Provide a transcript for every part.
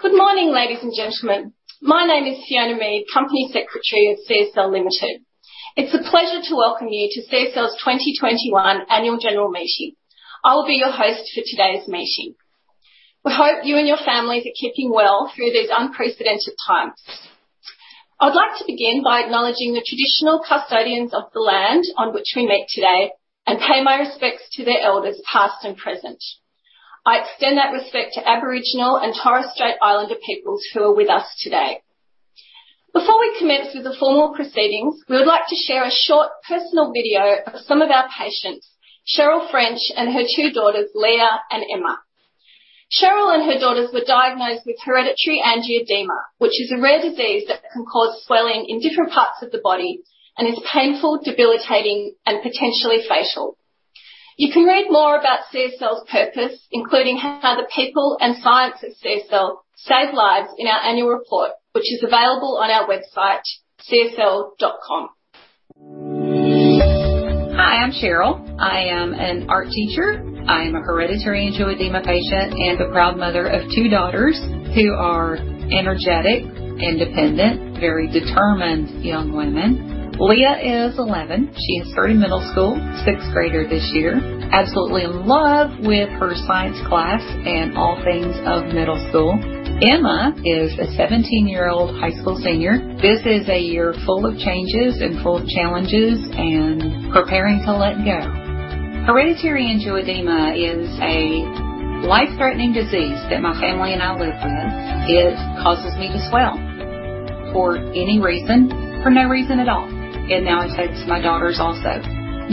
Good morning, ladies and gentlemen. My name is Fiona Mead, Company Secretary of CSL Limited. It's a pleasure to welcome you to CSL's 2021 Annual General Meeting. I will be your host for today's meeting. We hope you and your families are keeping well through these unprecedented times. I'd like to begin by acknowledging the traditional custodians of the land on which we meet today and pay my respects to their elders, past and present. I extend that respect to Aboriginal and Torres Strait Islander peoples who are with us today. Before we commence with the formal proceedings, we would like to share a short personal video of some of our patients, Cheryl French and her two daughters, Leah and Emma. Cheryl and her daughters were diagnosed with hereditary angioedema, which is a rare disease that can cause swelling in different parts of the body and is painful, debilitating, and potentially fatal. You can read more about CSL's purpose, including how the people and science at CSL save lives, in our annual report, which is available on our website, csl.com. Hi, I'm Cheryl. I am an art teacher. I am a hereditary angioedema patient and a proud mother of two daughters who are energetic, independent, very determined young women. Leah is 11. She is starting middle school, sixth grader this year. Absolutely in love with her science class and all things of middle school. Emma is a 17-year-old high school senior. This is a year full of changes and full of challenges and preparing to let go. Hereditary angioedema is a life-threatening disease that my family and I live with. It causes me to swell for any reason, for no reason at all, and now affects my daughters also.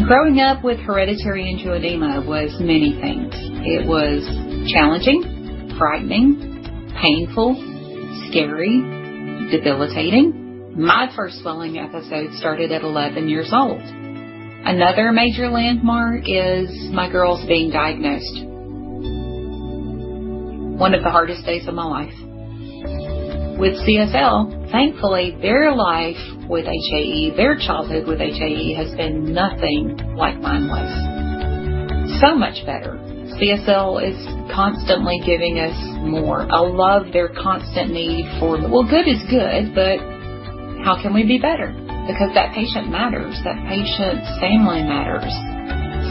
Growing up with hereditary angioedema was many things. It was challenging, frightening, painful, scary, debilitating. My first swelling episode started at 11 years old. Another major landmark is my girls being diagnosed. One of the hardest days of my life. With CSL, thankfully, their life with HAE, their childhood with HAE has been nothing like mine was. So much better. CSL is constantly giving us more. I love their constant need for, "Well, good is good, but how can we be better?" Because that patient matters. That patient's family matters.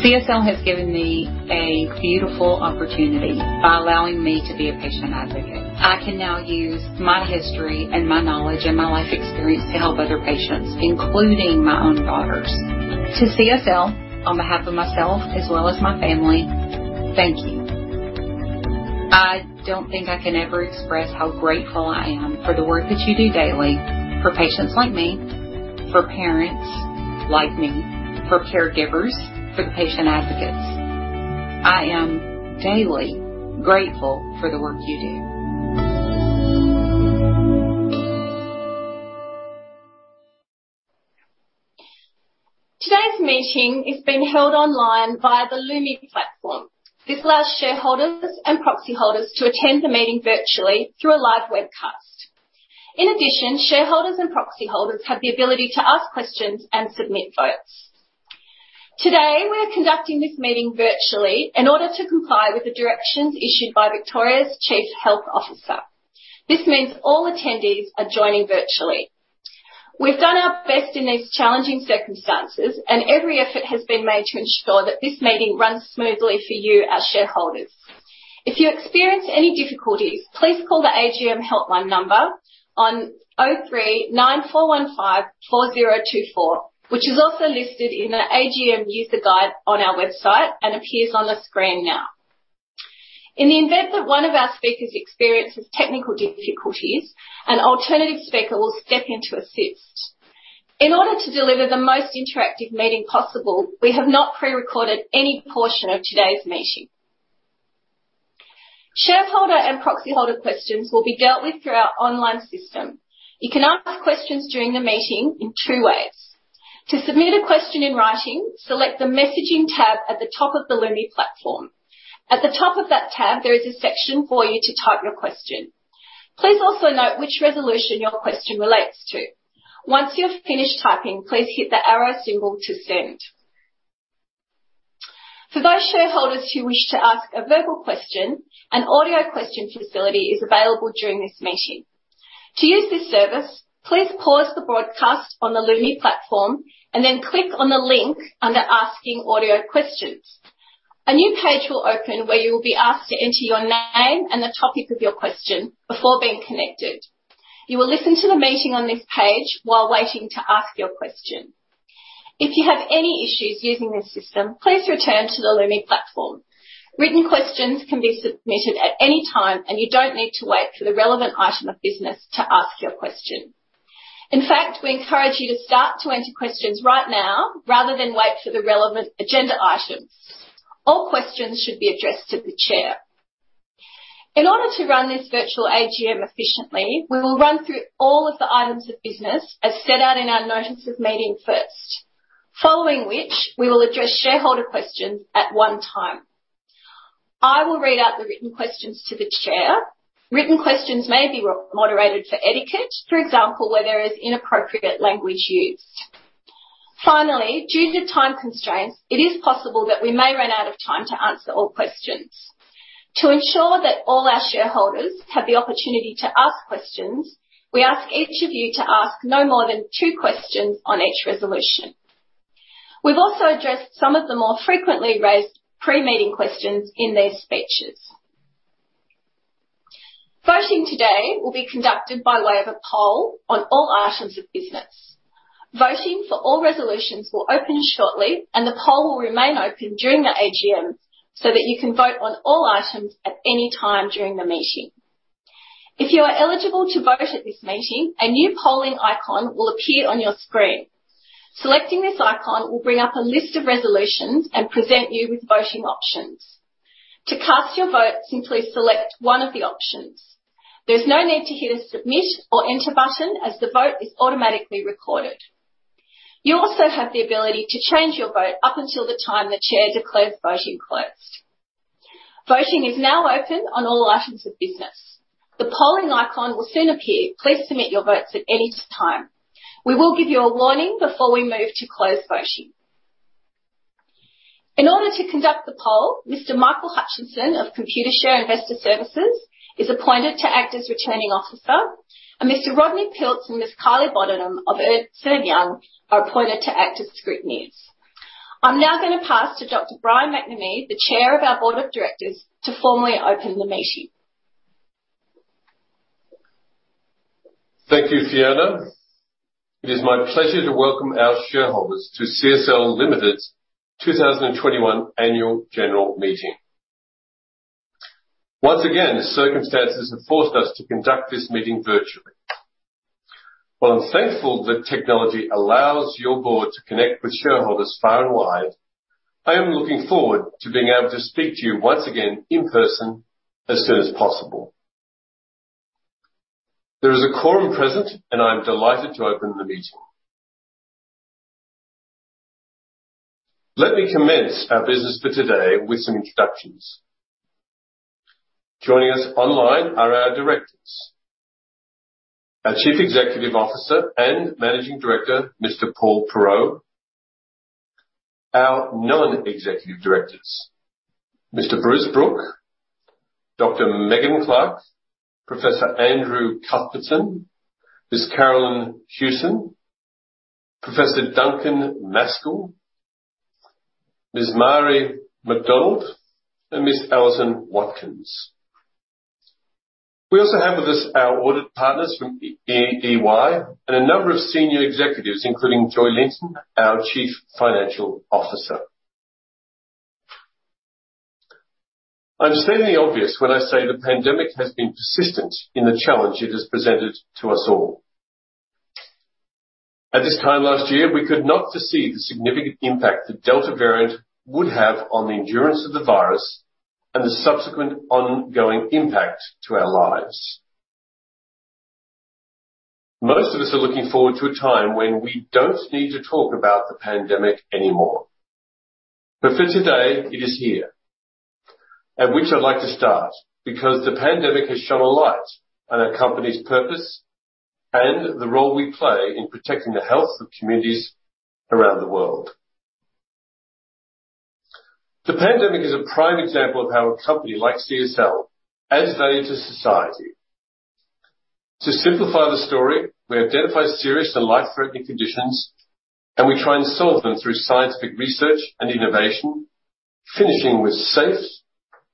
CSL has given me a beautiful opportunity by allowing me to be a patient advocate. I can now use my history and my knowledge and my life experience to help other patients, including my own daughters. To CSL, on behalf of myself as well as my family, thank you. I don't think I can ever express how grateful I am for the work that you do daily for patients like me, for parents like me, for caregivers, for the patient advocates. I am daily grateful for the work you do. Today's meeting is being held online via the Lumi platform. This allows shareholders and proxy holders to attend the meeting virtually through a live webcast. In addition, shareholders and proxy holders have the ability to ask questions and submit votes. Today, we're conducting this meeting virtually in order to comply with the directions issued by Victoria's Chief Health Officer. This means all attendees are joining virtually. We've done our best in these challenging circumstances, and every effort has been made to ensure that this meeting runs smoothly for you, our shareholders. If you experience any difficulties, please call the AGM helpline number on 03 9415 4024, which is also listed in the AGM user guide on our website and appears on the screen now. In the event that one of our speakers experiences technical difficulties, an alternative speaker will step in to assist. In order to deliver the most interactive meeting possible, we have not pre-recorded any portion of today's meeting. Shareholder and proxy holder questions will be dealt with through our online system. You can ask questions during the meeting in two ways. To submit a question in writing, select the messaging tab at the top of the Lumi platform. At the top of that tab, there is a section for you to type your question. Please also note which resolution your question relates to. Once you've finished typing, please hit the arrow symbol to send. For those shareholders who wish to ask a verbal question, an audio question facility is available during this meeting. To use this service, please pause the broadcast on the Lumi platform and then click on the link under Asking Audio Questions. A new page will open where you will be asked to enter your name and the topic of your question before being connected. You will listen to the meeting on this page while waiting to ask your question. If you have any issues using this system, please return to the Lumi platform. Written questions can be submitted at any time, and you don't need to wait for the relevant item of business to ask your question. In fact, we encourage you to start to enter questions right now rather than wait for the relevant agenda items. All questions should be addressed to the chair. In order to run this virtual AGM efficiently, we will run through all of the items of business as set out in our notice of meeting first, following which we will address shareholder questions at one time. I will read out the written questions to the Chair. Written questions may be moderated for etiquette. For example, where there is inappropriate language used. Finally, due to time constraints, it is possible that we may run out of time to answer all questions. To ensure that all our shareholders have the opportunity to ask questions, we ask each of you to ask no more than two questions on each resolution. We've also addressed some of the more frequently raised pre-meeting questions in their speeches. Voting today will be conducted by way of a poll on all items of business. Voting for all resolutions will open shortly, and the poll will remain open during the AGM so that you can vote on all items at any time during the meeting. If you are eligible to vote at this meeting, a new polling icon will appear on your screen. Selecting this icon will bring up a list of resolutions and present you with voting options. To cast your vote, simply select one of the options. There's no need to hit a submit or enter button as the vote is automatically recorded. You also have the ability to change your vote up until the time the chair declares voting closed. Voting is now open on all items of business. The polling icon will soon appear. Please submit your votes at any time. We will give you a warning before we move to close voting. In order to conduct the poll, Mr. Michael Hutchinson of Computershare Investor Services is appointed to act as Returning Officer. Mr. Rodney Piltz and Ms. Kylie Bodenham of Ernst & Young are appointed to act as scrutineers. I'm now going to pass to Dr. Brian McNamee, the chair of our board of directors, to formally open the meeting. Thank you, Fiona. It is my pleasure to welcome our shareholders to CSL Limited's 2021 annual general meeting. Once again, circumstances have forced us to conduct this meeting virtually. While I'm thankful that technology allows your board to connect with shareholders far and wide, I am looking forward to being able to speak to you once again in person as soon as possible. There is a quorum present, and I'm delighted to open the meeting. Let me commence our business for today with some introductions. Joining us online are our directors, our Chief Executive Officer and Managing Director, Mr. Paul Perreault, our non-executive directors, Mr. Bruce Brook, Dr. Megan Clark, Professor Andrew Cuthbertson, Ms. Carolyn Hewson, Professor Duncan Maskell, Ms. Marie McDonald, and Ms. Alison Watkins. We also have with us our audit partners from EY and a number of senior executives, including Joy Linton, our Chief Financial Officer. I'm stating the obvious when I say the pandemic has been persistent in the challenge it has presented to us all. At this time last year, we could not foresee the significant impact the Delta variant would have on the endurance of the virus and the subsequent ongoing impact to our lives. Most of us are looking forward to a time when we don't need to talk about the pandemic anymore. For today, it is here, at which I'd like to start, because the pandemic has shone a light on our company's purpose and the role we play in protecting the health of communities around the world. The pandemic is a prime example of how a company like CSL adds value to society. To simplify the story, we identify serious and life-threatening conditions, and we try and solve them through scientific research and innovation, finishing with safe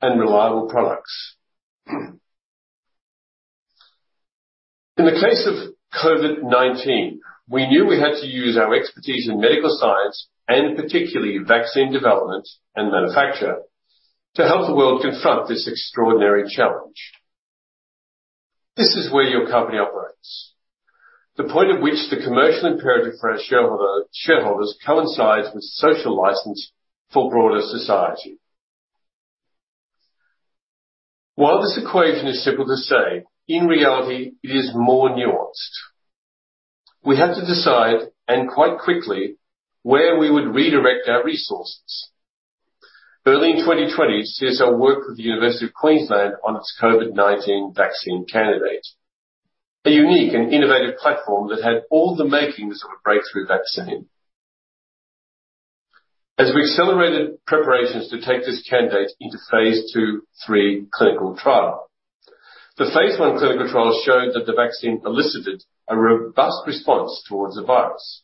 and reliable products. In the case of COVID-19, we knew we had to use our expertise in medical science, and particularly vaccine development and manufacture, to help the world confront this extraordinary challenge. This is where your company operates. The point at which the commercial imperative for our shareholders coincides with social license for broader society. While this equation is simple to say, in reality, it is more nuanced. We had to decide, and quite quickly, where we would redirect our resources. Early in 2020, CSL worked with The University of Queensland on its COVID-19 vaccine candidate, a unique and innovative platform that had all the makings of a breakthrough vaccine. As we accelerated preparations to take this candidate into phase II/III clinical trial, the phase I clinical trial showed that the vaccine elicited a robust response towards the virus.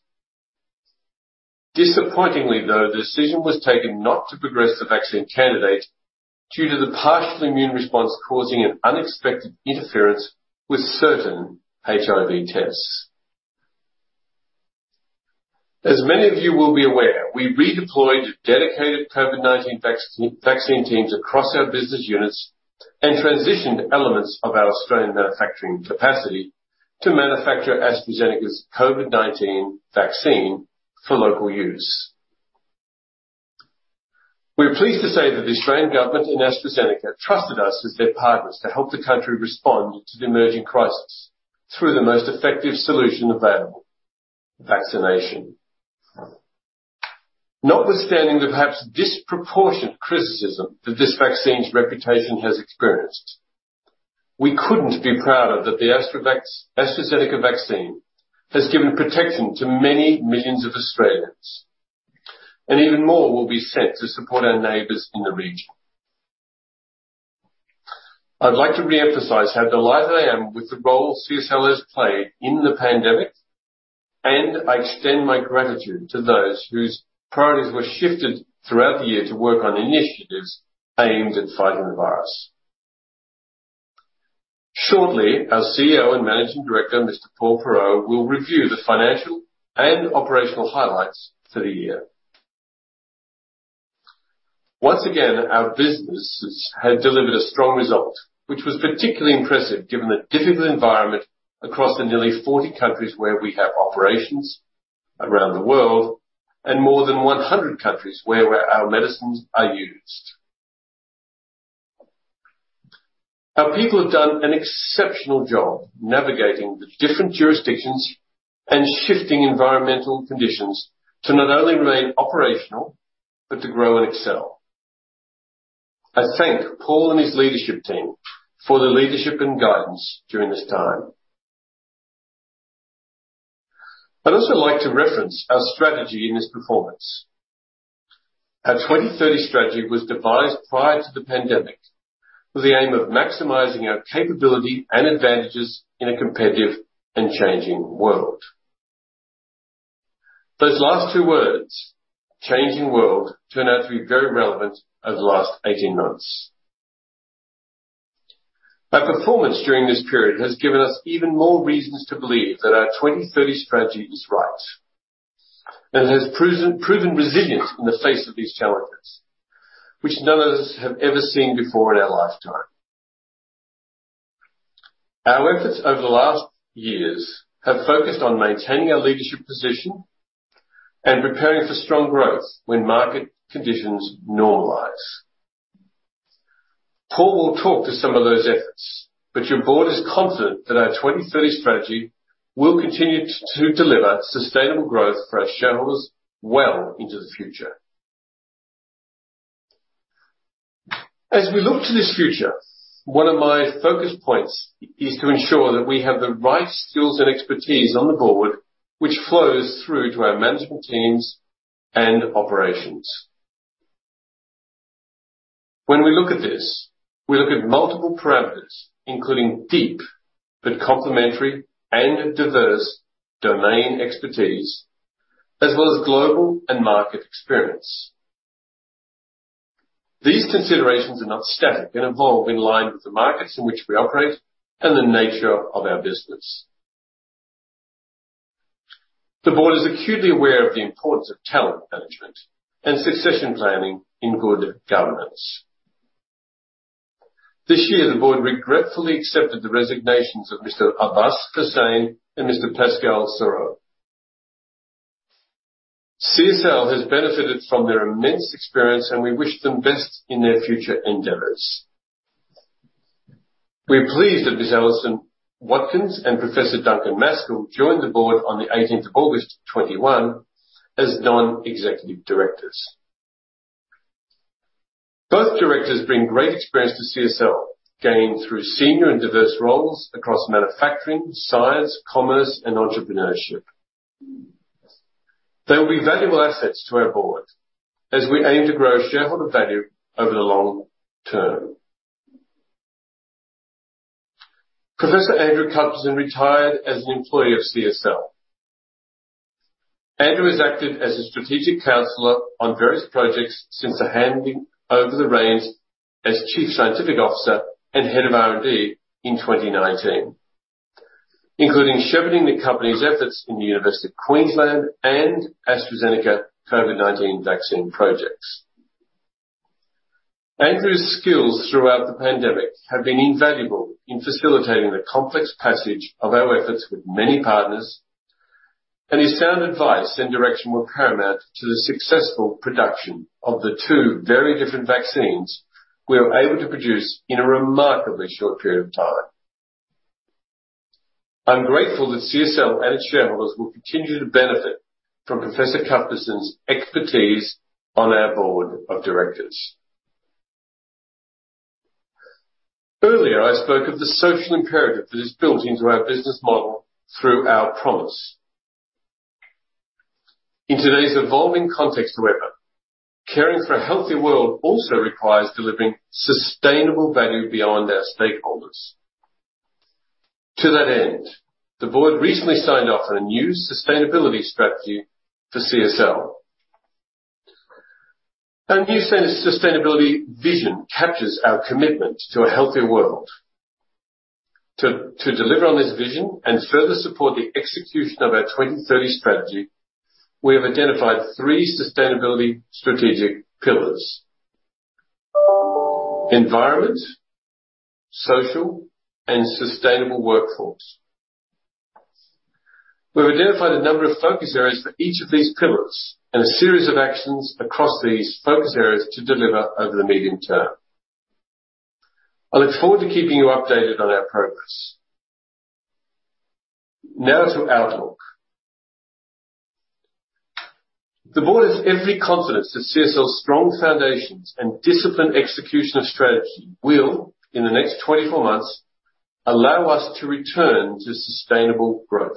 Disappointingly, though, the decision was taken not to progress the vaccine candidate due to the partial immune response causing an unexpected interference with certain HIV tests. As many of you will be aware, we redeployed dedicated COVID-19 vaccine teams across our business units and transitioned elements of our Australian manufacturing capacity to manufacture AstraZeneca's COVID-19 vaccine for local use. We're pleased to say that the Australian government and AstraZeneca trusted us as their partners to help the country respond to the emerging crisis through the most effective solution available, vaccination. Notwithstanding the perhaps disproportionate criticism that this vaccine's reputation has experienced. We couldn't be prouder that the AstraZeneca vaccine has given protection to many millions of Australians, and even more will be sent to support our neighbors in the region. I'd like to reemphasize how delighted I am with the role CSL has played in the pandemic, and I extend my gratitude to those whose priorities were shifted throughout the year to work on initiatives aimed at fighting the virus. Shortly, our CEO and Managing Director, Mr. Paul Perreault, will review the financial and operational highlights for the year. Once again, our businesses have delivered a strong result, which was particularly impressive given the difficult environment across the nearly 40 countries where we have operations around the world, and more than 100 countries where our medicines are used. Our people have done an exceptional job navigating the different jurisdictions and shifting environmental conditions to not only remain operational, but to grow and excel. I thank Paul and his leadership team for the leadership and guidance during this time. I'd also like to reference our strategy in this performance. Our 2030 Strategy was devised prior to the pandemic with the aim of maximizing our capability and advantages in a competitive and changing world. Those last two words, changing world, turn out to be very relevant over the last 18 months. Our performance during this period has given us even more reasons to believe that our 2030 Strategy is right and has proven resilient in the face of these challenges, which none of us have ever seen before in our lifetime. Our efforts over the last years have focused on maintaining our leadership position and preparing for strong growth when market conditions normalize. Paul will talk to some of those efforts, but your board is confident that our 2030 strategy will continue to deliver sustainable growth for our shareholders well into the future. As we look to this future, one of my focus points is to ensure that we have the right skills and expertise on the board, which flows through to our management teams and operations. When we look at this, we look at multiple parameters, including deep, but complementary and diverse domain expertise, as well as global and market experience. These considerations are not static and evolve in line with the markets in which we operate and the nature of our business. The board is acutely aware of the importance of talent management and succession planning in good governance. This year, the board regretfully accepted the resignations of Mr. Abbas Hussain and Mr. Pascal Soriot. CSL has benefited from their immense experience. We wish them best in their future endeavors. We're pleased that Ms. Alison Watkins and Professor Duncan Maskell joined the board on the 18th of August 2021 as non-executive directors. Both directors bring great experience to CSL, gained through senior and diverse roles across manufacturing, science, commerce, and entrepreneurship. They'll be valuable assets to our board as we aim to grow shareholder value over the long term. Professor Andrew Cuthbertson retired as an employee of CSL. Andrew has acted as a strategic counselor on various projects since the handing over the reins as Chief Scientific Officer and Head of R&D in 2019, including shepherding the company's efforts in The University of Queensland and AstraZeneca COVID-19 vaccine projects. Andrew's skills throughout the pandemic have been invaluable in facilitating the complex passage of our efforts with many partners, and his sound advice and direction were paramount to the successful production of the two very different vaccines we were able to produce in a remarkably short period of time. I'm grateful that CSL and its shareholders will continue to benefit from Professor Cuthbertson's expertise on our board of directors. Earlier, I spoke of the social imperative that is built into our business model through our promise. In today's evolving context, however, caring for a healthier world also requires delivering sustainable value beyond our stakeholders. To that end, the board recently signed off on a new sustainability strategy for CSL. Our new sustainability vision captures our commitment to a healthier world. To deliver on this vision and further support the execution of our 2030 strategy, we have identified three sustainability strategic pillars: environment, social, and sustainable workforce. We've identified a number of focus areas for each of these pillars and a series of actions across these focus areas to deliver over the medium term. I look forward to keeping you updated on our progress. Now to outlook. The board has every confidence that CSL's strong foundations and disciplined execution of strategy will, in the next 24 months, allow us to return to sustainable growth.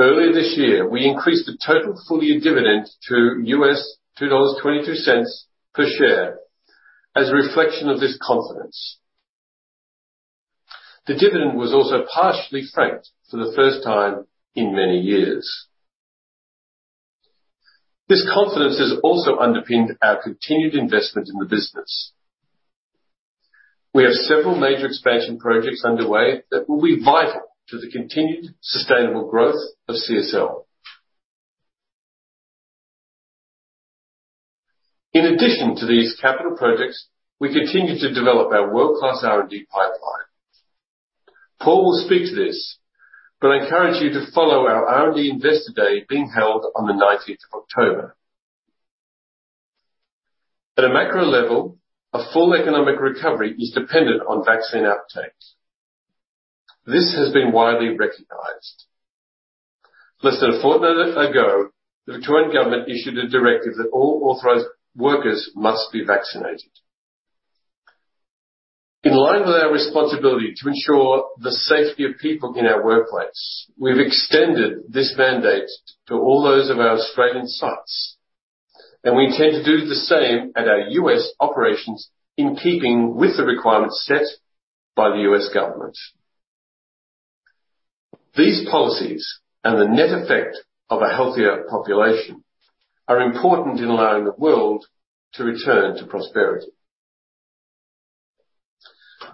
Earlier this year, we increased the total full-year dividend to $2.22 per share as a reflection of this confidence. The dividend was also partially franked for the first time in many years. This confidence has also underpinned our continued investment in the business. We have several major expansion projects underway that will be vital to the continued sustainable growth of CSL. In addition to these capital projects, we continue to develop our world-class R&D pipeline. Paul will speak to this, but I encourage you to follow our R&D Investor Day being held on the October, 19th. At a macro level, a full economic recovery is dependent on vaccine uptake. This has been widely recognized. Less than a fortnight ago, the Victorian Government issued a directive that all authorized workers must be vaccinated. In line with our responsibility to ensure the safety of people in our workplace, we've extended this mandate to all those of our Australian sites, and we intend to do the same at our U.S. operations in keeping with the requirements set by the U.S. government. These policies and the net effect of a healthier population are important in allowing the world to return to prosperity.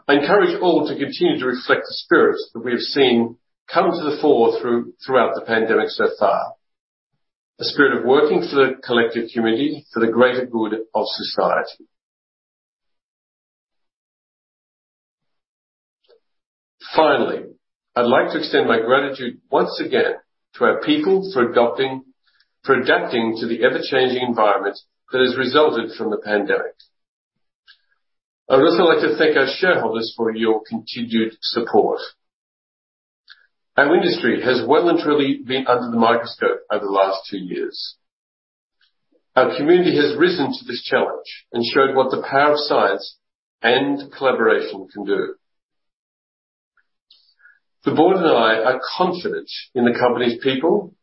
I encourage all to continue to reflect the spirit that we have seen come to the fore throughout the pandemic so far, a spirit of working for the collective community for the greater good of society. Finally, I'd like to extend my gratitude once again to our people for adapting to the ever-changing environment that has resulted from the pandemic. I would also like to thank our shareholders for your continued support. Our industry has well and truly been under the microscope over the last two years. Our community has risen to this challenge and showed what the power of science and collaboration can do. The board and I are confident in the company's people,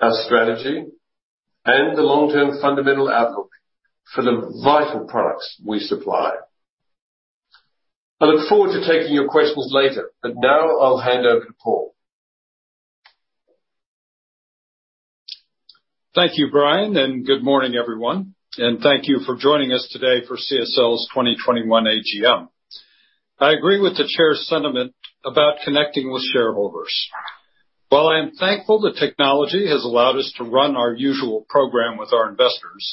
our strategy, and the long-term fundamental outlook for the vital products we supply. I look forward to taking your questions later, but now I'll hand over to Paul. Thank you, Brian, and good morning, everyone, and thank you for joining us today for CSL's 2021 AGM. I agree with the Chair's sentiment about connecting with shareholders. While I am thankful that technology has allowed us to run our usual program with our investors,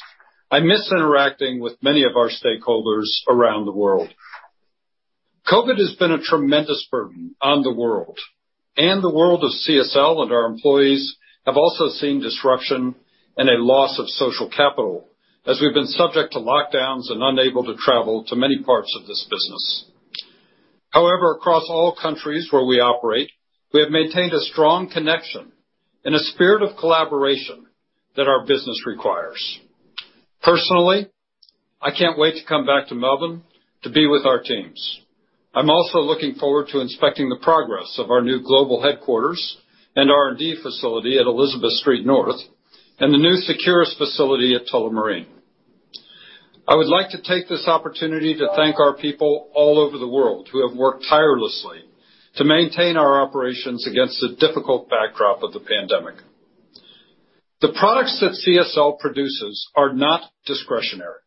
I miss interacting with many of our stakeholders around the world. COVID has been a tremendous burden on the world, and the world of CSL and our employees have also seen disruption and a loss of social capital as we've been subject to lockdowns and unable to travel to many parts of this business. However, across all countries where we operate, we have maintained a strong connection and a spirit of collaboration that our business requires. Personally, I can't wait to come back to Melbourne to be with our teams. I'm also looking forward to inspecting the progress of our new global headquarters and R&D facility at Elizabeth Street North and the new Seqirus facility at Tullamarine. I would like to take this opportunity to thank our people all over the world who have worked tirelessly to maintain our operations against the difficult backdrop of the pandemic. The products that CSL produces are not discretionary.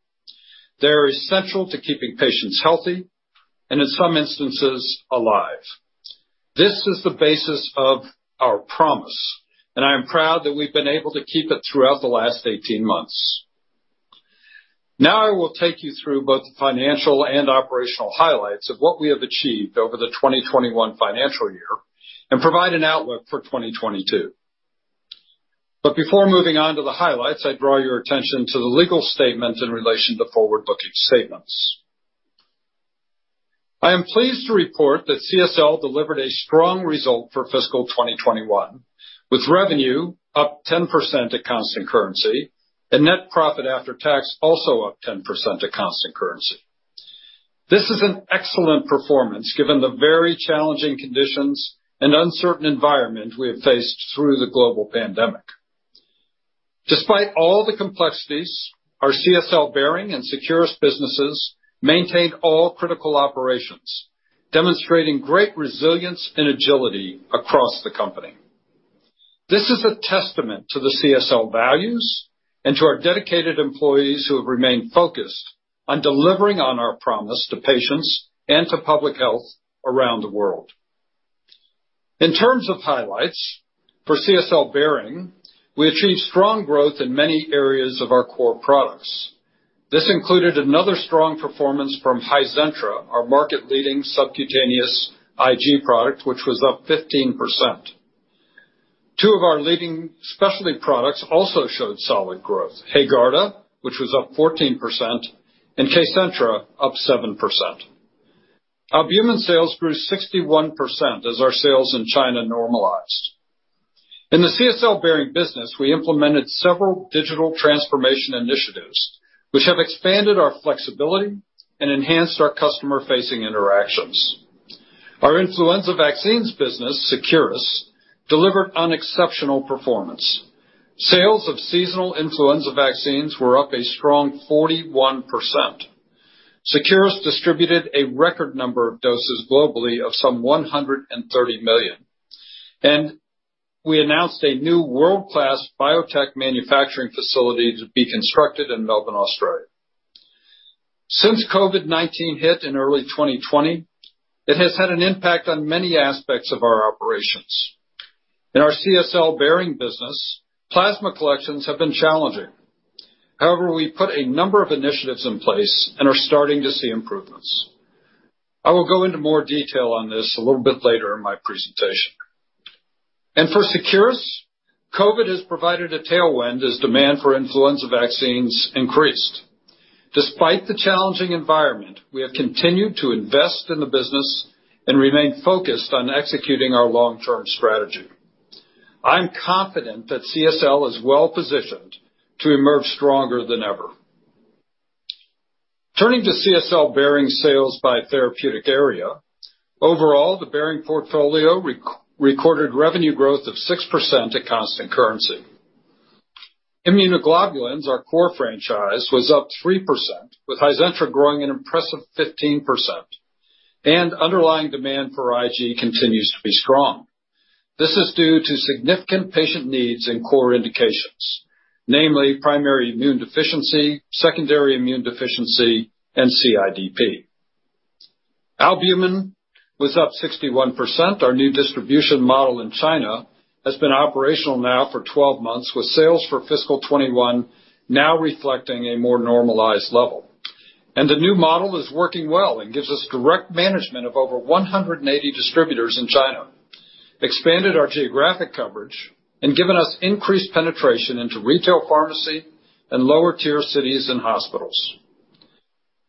They're essential to keeping patients healthy, and in some instances, alive. This is the basis of our promise, and I am proud that we've been able to keep it throughout the last 18 months. I will take you through both the financial and operational highlights of what we have achieved over the 2021 financial year and provide an outlook for 2022. Before moving on to the highlights, I draw your attention to the legal statement in relation to forward-looking statements. I am pleased to report that CSL delivered a strong result for fiscal 2021, with revenue up 10% at constant currency and net profit after tax also up 10% at constant currency. This is an excellent performance given the very challenging conditions and uncertain environment we have faced through the global pandemic. Despite all the complexities, our CSL Behring and Seqirus businesses maintained all critical operations, demonstrating great resilience and agility across the company. This is a testament to the CSL values and to our dedicated employees who have remained focused on delivering on our promise to patients and to public health around the world. In terms of highlights, for CSL Behring, we achieved strong growth in many areas of our core products. This included another strong performance from Hizentra, our market-leading subcutaneous IG product, which was up 15%. Two of our leading specialty products also showed solid growth. HAEGARDA, which was up 14%, and Kcentra, up 7%. Albumin sales grew 61% as our sales in China normalized. In the CSL Behring business, we implemented several digital transformation initiatives, which have expanded our flexibility and enhanced our customer-facing interactions. Our influenza vaccines business, Seqirus, delivered exceptional performance. Sales of seasonal influenza vaccines were up a strong 41%. Seqirus distributed a record number of doses globally of some 130 million. We announced a new world-class biotech manufacturing facility to be constructed in Melbourne, Australia. Since COVID-19 hit in early 2020, it has had an impact on many aspects of our operations. In our CSL Behring business, plasma collections have been challenging. However, we put a number of initiatives in place and are starting to see improvements. I will go into more detail on this a little bit later in my presentation. For Seqirus, COVID has provided a tailwind as demand for influenza vaccines increased. Despite the challenging environment, we have continued to invest in the business and remain focused on executing our long-term strategy. I'm confident that CSL is well-positioned to emerge stronger than ever. Turning to CSL Behring sales by therapeutic area. Overall, the Behring portfolio recorded revenue growth of 6% at constant currency. Immunoglobulins, our core franchise, was up 3%, with Hizentra growing an impressive 15%. Underlying demand for IG continues to be strong. This is due to significant patient needs and core indications, namely primary immune deficiency, secondary immune deficiency, and CIDP. Albumin was up 61%. Our new distribution model in China has been operational now for 12 months, with sales for fiscal 2021 now reflecting a more normalized level. The new model is working well and gives us direct management of over 180 distributors in China, expanded our geographic coverage, and given us increased penetration into retail pharmacy in lower-tier cities and hospitals.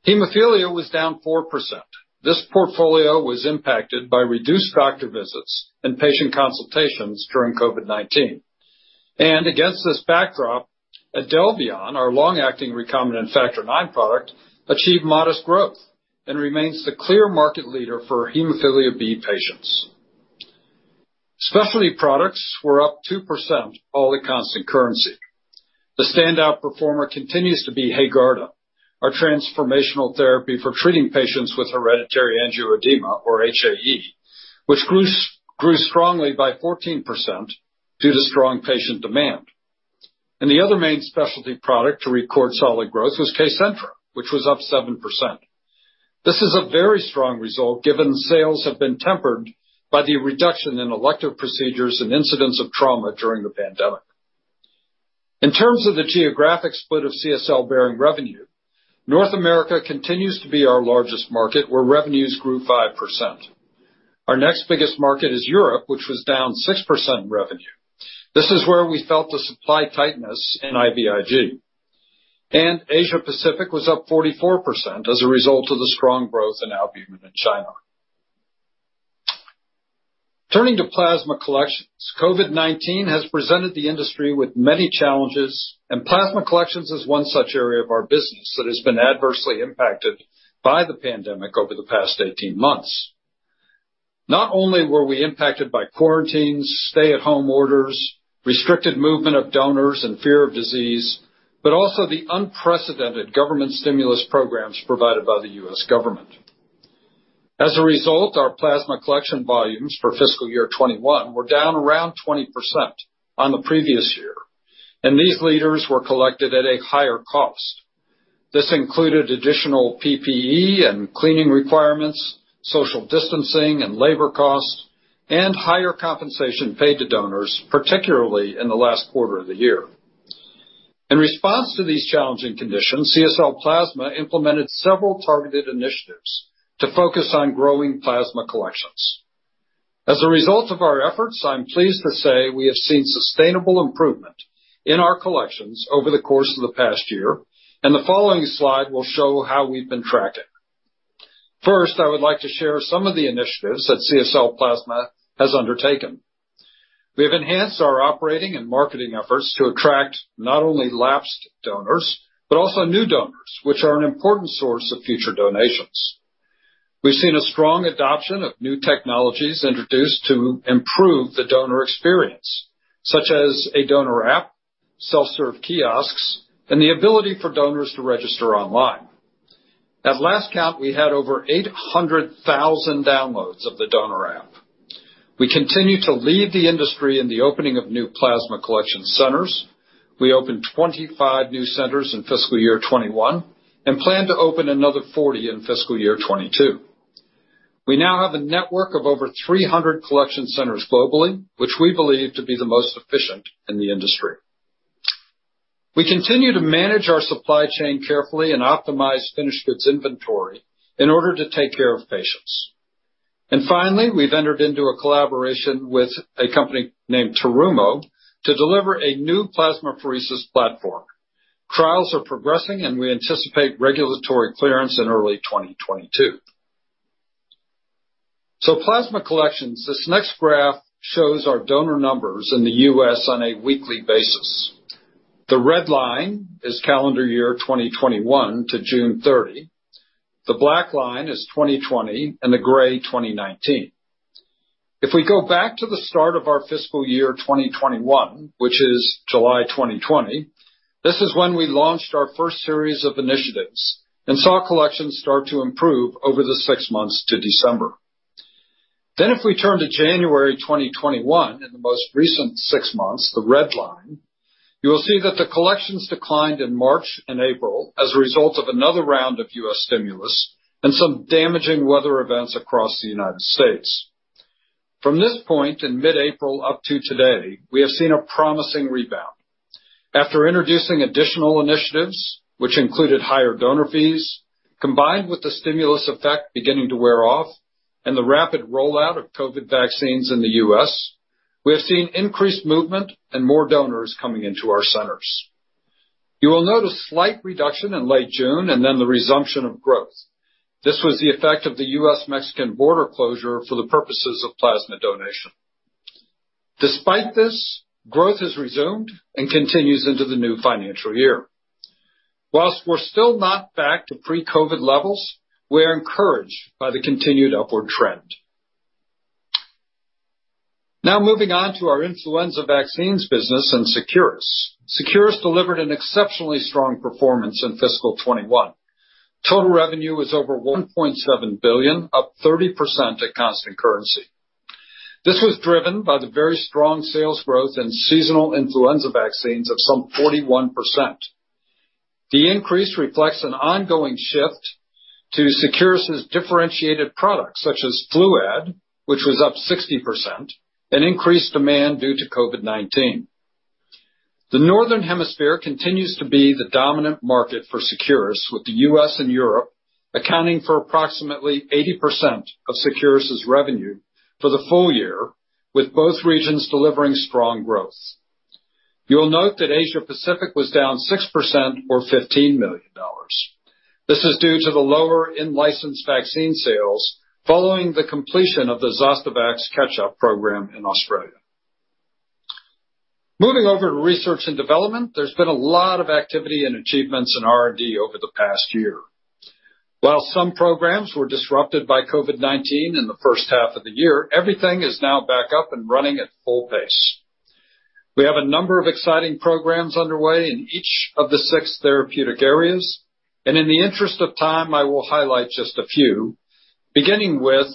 Hemophilia was down 4%. This portfolio was impacted by reduced factor visits and patient consultations during COVID-19. Against this backdrop, IDELVION, our long-acting recombinant factor IX product, achieved modest growth and remains the clear market leader for hemophilia B patients. Specialty products were up 2%, all at constant currency. The standout performer continues to be HAEGARDA, our transformational therapy for treating patients with hereditary angioedema, or HAE, which grew strongly by 14% due to strong patient demand. The other main specialty product to record solid growth was Kcentra, which was up 7%. This is a very strong result, given sales have been tempered by the reduction in elective procedures and incidents of trauma during the pandemic. In terms of the geographic split of CSL Behring revenue, North America continues to be our largest market, where revenues grew 5%. Our next biggest market is Europe, which was down 6% in revenue. This is where we felt the supply tightness in IVIG. Asia Pacific was up 44% as a result of the strong growth in albumin in China. Turning to plasma collections. COVID-19 has presented the industry with many challenges, and plasma collections is one such area of our business that has been adversely impacted by the pandemic over the past 18 months. Not only were we impacted by quarantines, stay-at-home orders, restricted movement of donors, and fear of disease, but also the unprecedented government stimulus programs provided by the U.S. government. As a result, our plasma collection volumes for fiscal year 2021 were down around 20% on the previous year, and these liters were collected at a higher cost. This included additional PPE and cleaning requirements, social distancing and labor costs, and higher compensation paid to donors, particularly in the last quarter of the year. In response to these challenging conditions, CSL Plasma implemented several targeted initiatives to focus on growing plasma collections. As a result of our efforts, I'm pleased to say we have seen sustainable improvement in our collections over the course of the past year, and the following slide will show how we've been tracking. First, I would like to share some of the initiatives that CSL Plasma has undertaken. We've enhanced our operating and marketing efforts to attract not only lapsed donors, but also new donors, which are an important source of future donations. We've seen a strong adoption of new technologies introduced to improve the donor experience, such as a donor app, self-serve kiosks, and the ability for donors to register online. At last count, we had over 800,000 downloads of the donor app. We continue to lead the industry in the opening of new plasma collection centers. We opened 25 new centers in fiscal year 2021 and plan to open another 40 in fiscal year 2022. We now have a network of over 300 collection centers globally, which we believe to be the most efficient in the industry. We continue to manage our supply chain carefully and optimize finished goods inventory in order to take care of patients. Finally, we've entered into a collaboration with a company named Terumo to deliver a new plasmapheresis platform. Trials are progressing, and we anticipate regulatory clearance in early 2022. Plasma collections. This next graph shows our donor numbers in the U.S. on a weekly basis. The red line is calendar year 2021 to June 30. The black line is 2020, and the gray 2019. If we go back to the start of our fiscal year 2021, which is July 2020, this is when we launched our first series of initiatives and saw collections start to improve over the six months to December. If we turn to January 2021, in the most recent six months, the red line, you will see that the collections declined in March and April as a result of another round of U.S. stimulus and some damaging weather events across the United States. From this point in mid-April up to today, we have seen a promising rebound. After introducing additional initiatives, which included higher donor fees, combined with the stimulus effect beginning to wear off and the rapid rollout of COVID vaccines in the U.S., we have seen increased movement and more donors coming into our centers. You will note a slight reduction in late June, the resumption of growth. This was the effect of the U.S.-Mexican border closure for the purposes of plasma donation. Despite this, growth has resumed and continues into the new financial year. Whilst we're still not back to pre-COVID levels, we are encouraged by the continued upward trend. Now moving on to our influenza vaccines business and Seqirus. Seqirus delivered an exceptionally strong performance in fiscal 2021. Total revenue was over 1.7 billion, up 30% at constant currency. This was driven by the very strong sales growth in seasonal influenza vaccines of some 41%. The increase reflects an ongoing shift to Seqirus' differentiated products such as Fluad, which was up 60%, and increased demand due to COVID-19. The Northern Hemisphere continues to be the dominant market for Seqirus, with the U.S. and Europe accounting for approximately 80% of Seqirus' revenue for the full year, with both regions delivering strong growth. You'll note that Asia Pacific was down 6% or 15 million dollars. This is due to the lower in-licensed vaccine sales following the completion of the Zostavax catch-up program in Australia. Moving over to research and development, there's been a lot of activity and achievements in R&D over the past year. While some programs were disrupted by COVID-19 in the first half of the year, everything is now back up and running at full pace. We have a number of exciting programs underway in each of the six therapeutic areas, and in the interest of time, I will highlight just a few, beginning with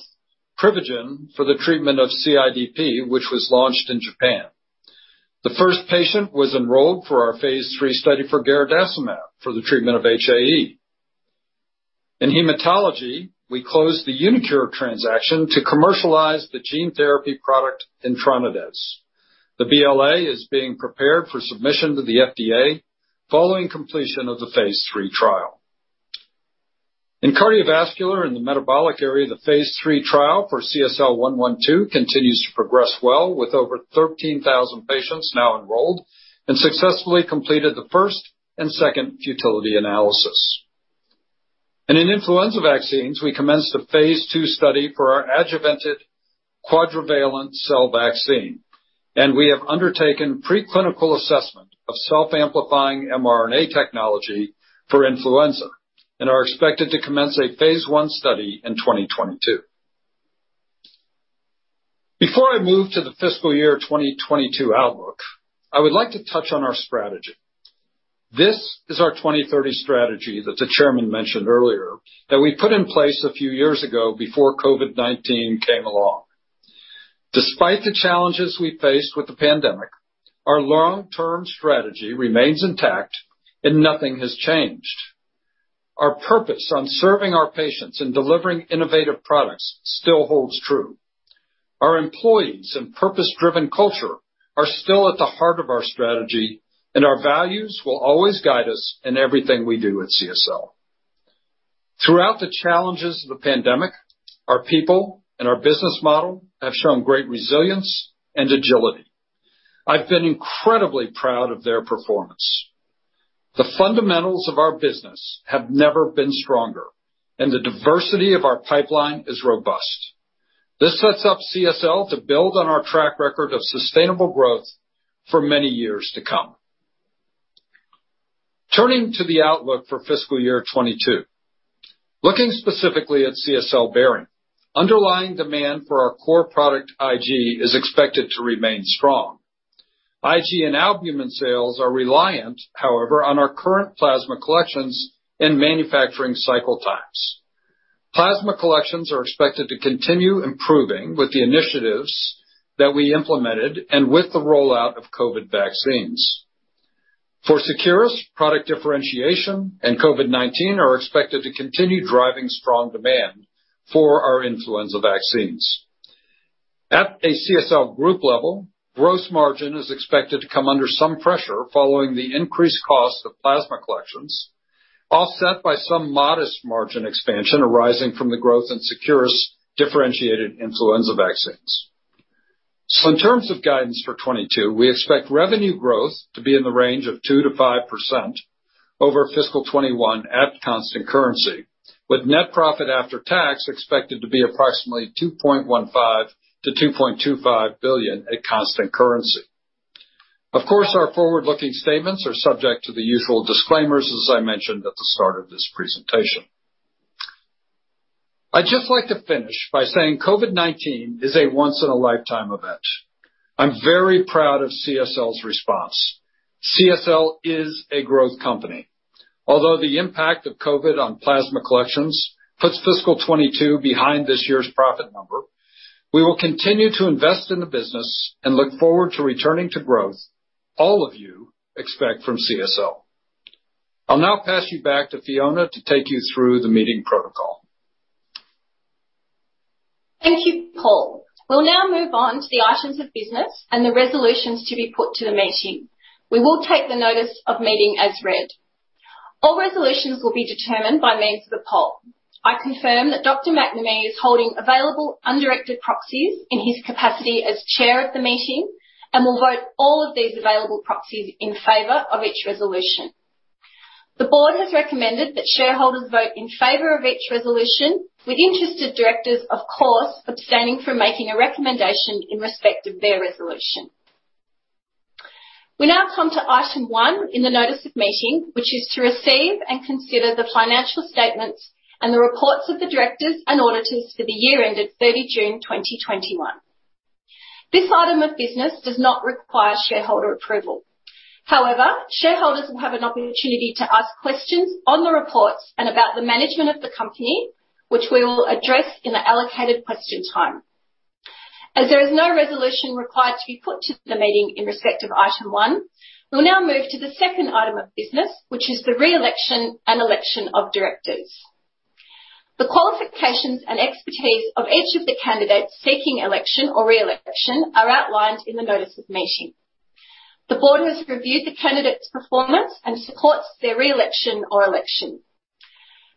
Privigen for the treatment of CIDP, which was launched in Japan. The first patient was enrolled for our phase III study for garadacimab for the treatment of HAE. In hematology, we closed the uniQure transaction to commercialize the gene therapy product, HEMGENIX. The BLA is being prepared for submission to the FDA following completion of the phase III trial. In cardiovascular and the metabolic area, the phase III trial for CSL112 continues to progress well, with over 13,000 patients now enrolled and successfully completed the first and second futility analysis. In influenza vaccines, we commenced a phase II study for our adjuvanted quadrivalent cell vaccine, and we have undertaken preclinical assessment of self-amplifying mRNA technology for influenza and are expected to commence a phase I study in 2022. Before I move to the fiscal year 2022 outlook, I would like to touch on our strategy. This is our 2030 strategy that the chairman mentioned earlier that we put in place a few years ago before COVID-19 came along. Despite the challenges we faced with the pandemic, our long-term strategy remains intact and nothing has changed. Our purpose on serving our patients and delivering innovative products still holds true. Our employees and purpose-driven culture are still at the heart of our strategy, and our values will always guide us in everything we do at CSL. Throughout the challenges of the pandemic, our people and our business model have shown great resilience and agility. I've been incredibly proud of their performance. The fundamentals of our business have never been stronger, and the diversity of our pipeline is robust. This sets up CSL to build on our track record of sustainable growth for many years to come. Turning to the outlook for fiscal year 2022. Looking specifically at CSL Behring, underlying demand for our core product IG is expected to remain strong. IG and albumin sales are reliant, however, on our current plasma collections and manufacturing cycle times. Plasma collections are expected to continue improving with the initiatives that we implemented and with the rollout of COVID vaccines. For Seqirus, product differentiation and COVID-19 are expected to continue driving strong demand for our influenza vaccines. At a CSL Group level, gross margin is expected to come under some pressure following the increased cost of plasma collections, offset by some modest margin expansion arising from the growth in Seqirus differentiated influenza vaccines. In terms of guidance for 2022, we expect revenue growth to be in the range of 2%-5% over fiscal 2021 at constant currency, with net profit after tax expected to be approximately 2.15 billion-2.25 billion at constant currency. Of course, our forward-looking statements are subject to the usual disclaimers, as I mentioned at the start of this presentation. I'd just like to finish by saying COVID-19 is a once-in-a-lifetime event. I'm very proud of CSL's response. CSL is a growth company. Although the impact of COVID on plasma collections puts fiscal 2022 behind this year's profit number, we will continue to invest in the business and look forward to returning to growth all of you expect from CSL. I'll now pass you back to Fiona to take you through the meeting protocol. Thank you, Paul. We'll now move on to the items of business and the resolutions to be put to the meeting. We will take the notice of meeting as read. All resolutions will be determined by means of the poll. I confirm that Dr. McNamee is holding available undirected proxies in his capacity as chair of the meeting and will vote all of these available proxies in favor of each resolution. The board has recommended that shareholders vote in favor of each resolution with interested directors, of course, abstaining from making a recommendation in respect of their resolution. We now come to item one in the notice of meeting, which is to receive and consider the financial statements and the reports of the directors and auditors for the year ended June 30, 2021. This item of business does not require shareholder approval. Shareholders will have an opportunity to ask questions on the reports and about the management of the company, which we will address in the allocated question time. As there is no resolution required to be put to the meeting in respect of item one, we'll now move to the second item of business, which is the re-election and election of directors. The qualifications and expertise of each of the candidates seeking election or re-election are outlined in the notice of meeting. The board has reviewed the candidates' performance and supports their re-election or election.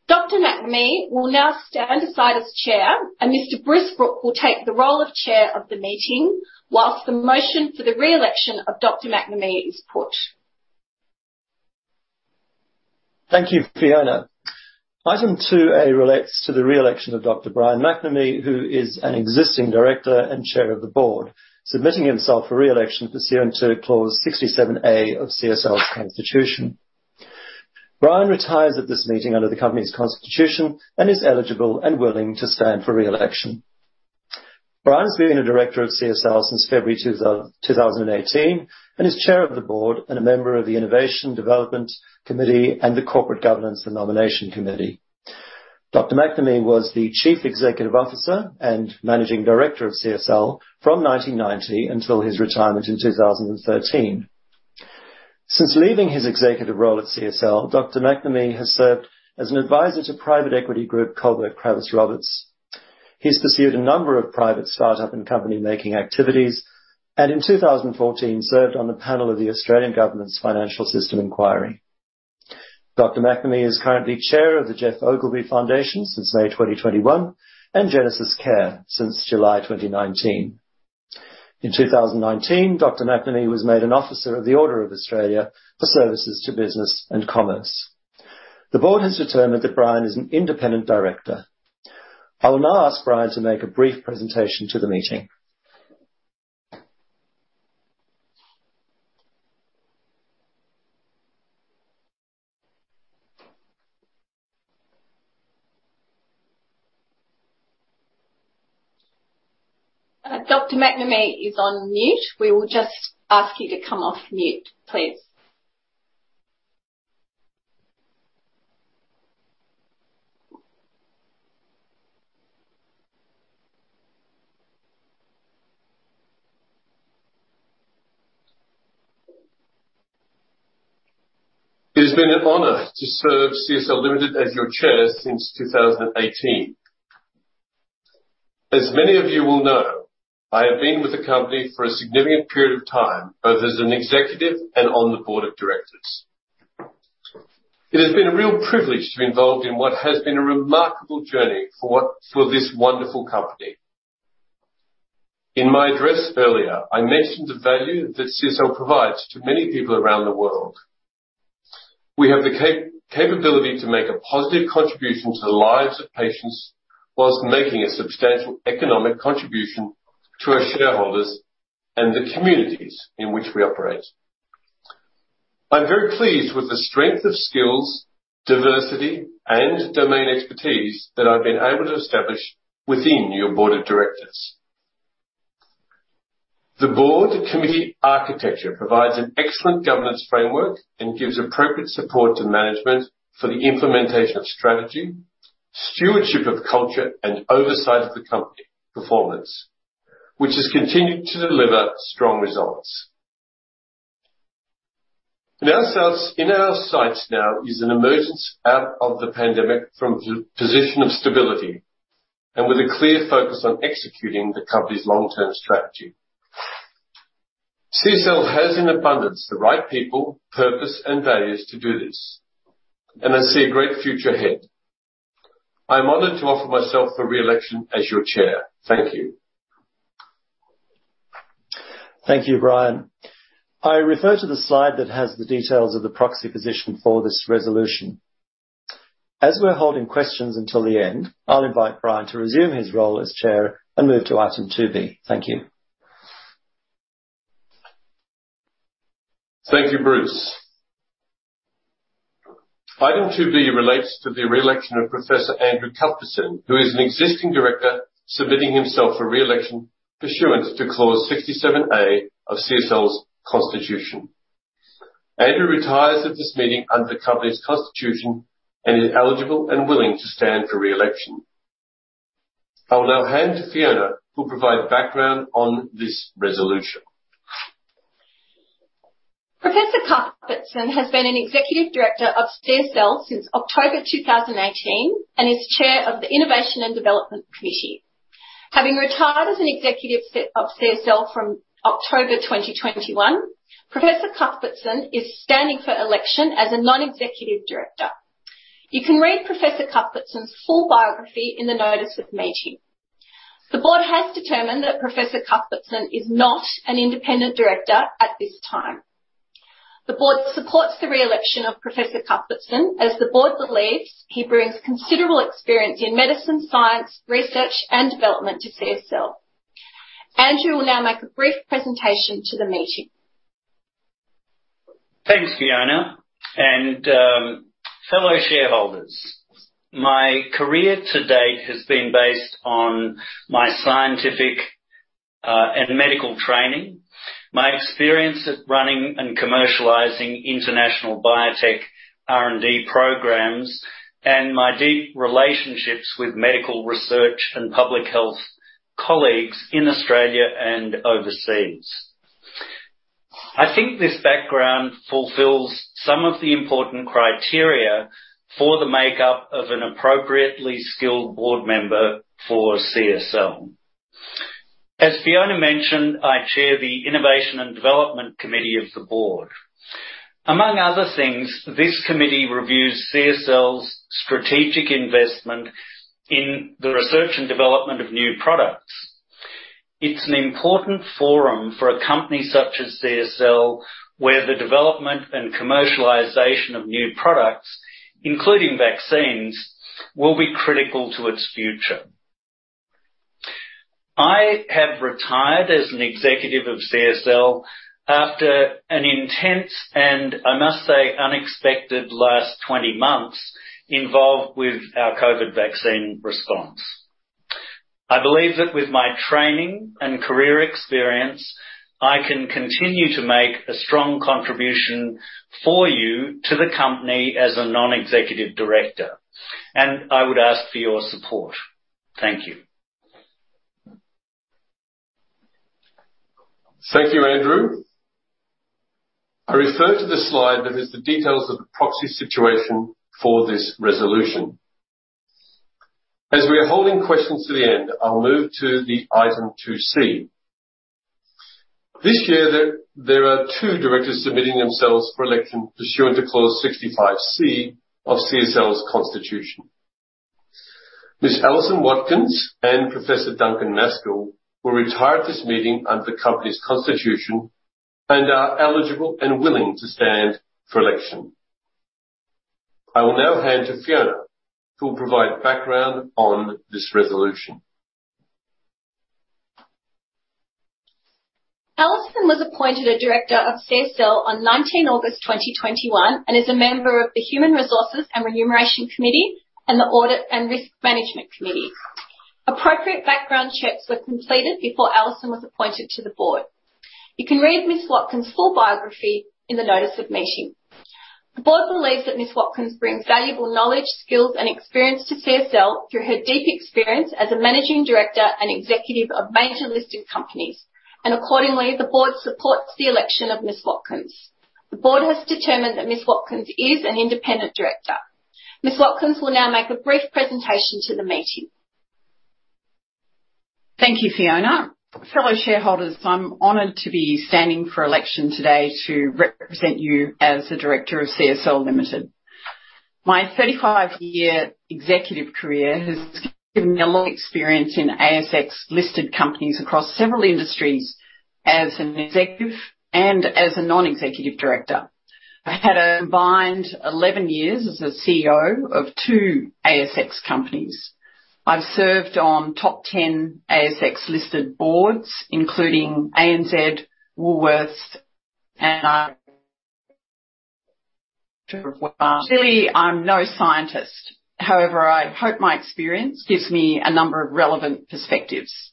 Dr. McNamee will now stand aside as chair, and Mr. Bruce Brook will take the role of chair of the meeting whilst the motion for the re-election of Dr. McNamee is put. Thank you, Fiona. Item 2A relates to the re-election of Dr. Brian McNamee, who is an existing director and Chair of the Board, submitting himself for re-election pursuant to Clause 67A of CSL's Constitution. Brian retires at this meeting under the Company's Constitution and is eligible and willing to stand for re-election. Brian has been a director of CSL since February 2018 and is Chair of the Board and a member of the Innovation and Development Committee and the Corporate Governance and Nomination Committee. Dr. McNamee was the Chief Executive Officer and Managing Director of CSL from 1990 until his retirement in 2013. Since leaving his executive role at CSL, Dr. McNamee has served as an advisor to private equity group Kohlberg Kravis Roberts. He's pursued a number of private start-up and company making activities, and in 2014, served on the panel of the Australian Government's Financial System Inquiry. Dr. McNamee is currently chair of the Geoff Ogilvy Foundation since May 2021 and GenesisCare since July 2019. In 2019, Dr. McNamee was made an officer of the Order of Australia for services to business and commerce. The board has determined that Brian is an independent director. I'll now ask Brian to make a brief presentation to the meeting. Dr. McNamee is on mute. We will just ask you to come off mute, please. It has been an honor to serve CSL Limited as your chair since 2018. As many of you will know, I have been with the company for a significant period of time, both as an executive and on the board of directors. It has been a real privilege to be involved in what has been a remarkable journey for this wonderful company. In my address earlier, I mentioned the value that CSL provides to many people around the world. We have the capability to make a positive contribution to the lives of patients whilst making a substantial economic contribution to our shareholders and the communities in which we operate. I'm very pleased with the strength of skills, diversity, and domain expertise that I've been able to establish within your board of directors. The board committee architecture provides an excellent governance framework and gives appropriate support to management for the implementation of strategy, stewardship of culture, and oversight of the company performance, which has continued to deliver strong results. In our sights now is an emergence out of the pandemic from a position of stability and with a clear focus on executing the company's long-term strategy. CSL has, in abundance, the right people, purpose, and values to do this, and I see a great future ahead. I'm honored to offer myself for re-election as your chair. Thank you. Thank you, Brian. I refer to the slide that has the details of the proxy position for this resolution. As we're holding questions until the end, I'll invite Brian to resume his role as Chair and move to item 2B. Thank you. Thank you, Bruce. Item 2B relates to the re-election of Professor Andrew Cuthbertson, who is an existing Director submitting himself for re-election pursuant to Clause 67A of CSL's constitution. Andrew retires at this meeting under the company's constitution and is eligible and willing to stand for re-election. I will now hand to Fiona, who'll provide background on this resolution. Professor Cuthbertson has been an executive director of CSL since October 2018 and is chair of the Innovation and Development Committee. Having retired as an executive of CSL from October 2021, Professor Cuthbertson is standing for election as a non-executive director. You can read Professor Cuthbertson's full biography in the notice of meeting. The board has determined that Professor Cuthbertson is not an independent director at this time. The board supports the re-election of Professor Cuthbertson, as the board believes he brings considerable experience in medicine, science, research, and development to CSL. Andrew will now make a brief presentation to the meeting. Thanks, Fiona. Fellow shareholders, my career to date has been based on my scientific and medical training, my experience at running and commercializing international biotech R&D programs, and my deep relationships with medical research and public health colleagues in Australia and overseas. I think this background fulfills some of the important criteria for the makeup of an appropriately skilled board member for CSL. As Fiona mentioned, I chair the Innovation and Development Committee of the board. Among other things, this committee reviews CSL's strategic investment in the research and development of new products. It's an important forum for a company such as CSL, where the development and commercialization of new products, including vaccines, will be critical to its future. I have retired as an executive of CSL after an intense, and I must say, unexpected last 20 months involved with our COVID vaccine response. I believe that with my training and career experience, I can continue to make a strong contribution for you to the company as a non-executive director, and I would ask for your support. Thank you. Thank you, Andrew. I refer to the slide that has the details of the proxy situation for this resolution. As we are holding questions to the end, I'll move to the item 2C. This year, there are two directors submitting themselves for election pursuant to Clause 65C of CSL's constitution. Ms. Alison Watkins and Professor Duncan Maskell will retire at this meeting under the company's constitution and are eligible and willing to stand for election. I will now hand to Fiona, who will provide background on this resolution. Alison was appointed a director of CSL on August 19, 2021 and is a member of the Human Resources and Remuneration Committee and the Audit and Risk Management Committee. Appropriate background checks were completed before Alison was appointed to the board. You can read Ms. Watkins' full biography in the notice of meeting. The board believes that Ms. Watkins brings valuable knowledge, skills, and experience to CSL through her deep experience as a managing director and executive of major listed companies, and accordingly, the board supports the election of Ms. Watkins. The board has determined that Ms. Watkins is an independent director. Ms. Watkins will now make a brief presentation to the meeting. Thank you, Fiona. Fellow shareholders, I'm honored to be standing for election today to represent you as a director of CSL Limited. My 35-year executive career has given me a long experience in ASX-listed companies across several industries as an executive and as a non-executive director. I had a combined 11 years as a CEO of two ASX companies. I've served on top 10 ASX-listed boards, including ANZ, Woolworths. Clearly, I'm no scientist. However, I hope my experience gives me a number of relevant perspectives.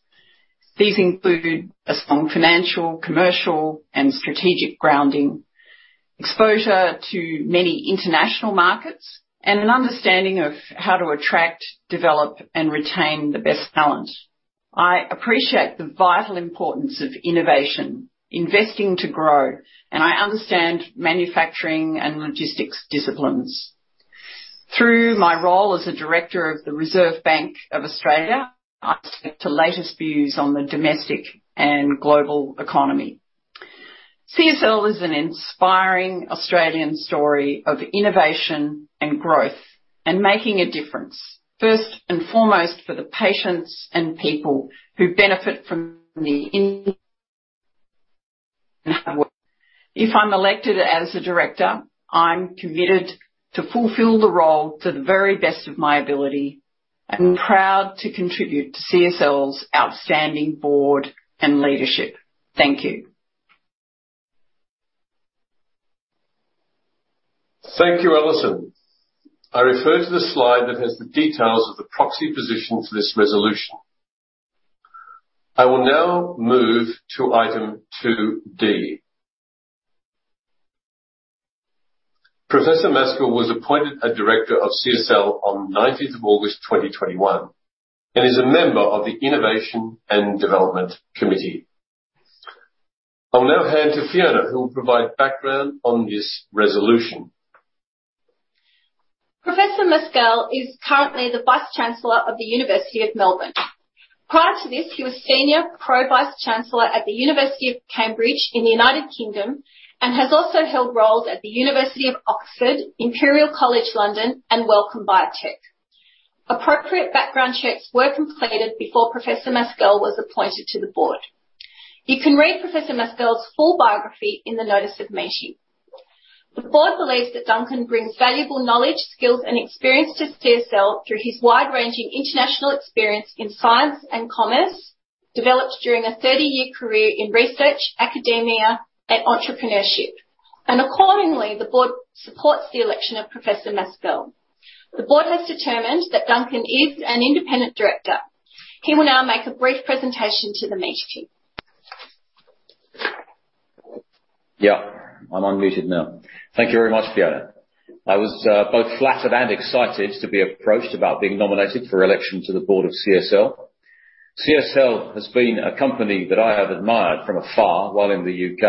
These include a strong financial, commercial, and strategic grounding, exposure to many international markets, and an understanding of how to attract, develop, and retain the best talent. I appreciate the vital importance of innovation, investing to grow, and I understand manufacturing and logistics disciplines. Through my role as a director of the Reserve Bank of Australia, I speak to latest views on the domestic and global economy. CSL is an inspiring Australian story of innovation and growth and making a difference, first and foremost for the patients and people who benefit. If I'm elected as a director, I'm committed to fulfill the role to the very best of my ability, and proud to contribute to CSL's outstanding board and leadership. Thank you. Thank you, Alison. I refer to the slide that has the details of the proxy position to this resolution. I will now move to item 2D. Professor Maskell was appointed a director of CSL on August 19th, 2021, and is a member of the Innovation and Development Committee. I'll now hand to Fiona, who will provide background on this resolution. Professor Maskell is currently the Vice Chancellor of the University of Melbourne. Prior to this, he was Senior Pro Vice Chancellor at the University of Cambridge in the U.K. and has also held roles at the University of Oxford, Imperial College London, and Wellcome. Appropriate background checks were completed before Professor Maskell was appointed to the board. You can read Professor Maskell's full biography in the notice of meeting. The board believes that Duncan brings valuable knowledge, skills, and experience to CSL through his wide-ranging international experience in science and commerce, developed during a 30-year career in research, academia and entrepreneurship. Accordingly, the board supports the election of Professor Maskell. The board has determined that Duncan is an independent director. He will now make a brief presentation to the meeting. Yeah, I'm unmuted now. Thank you very much, Fiona. I was both flattered and excited to be approached about being nominated for election to the board of CSL. CSL has been a company that I have admired from afar while in the U.K.,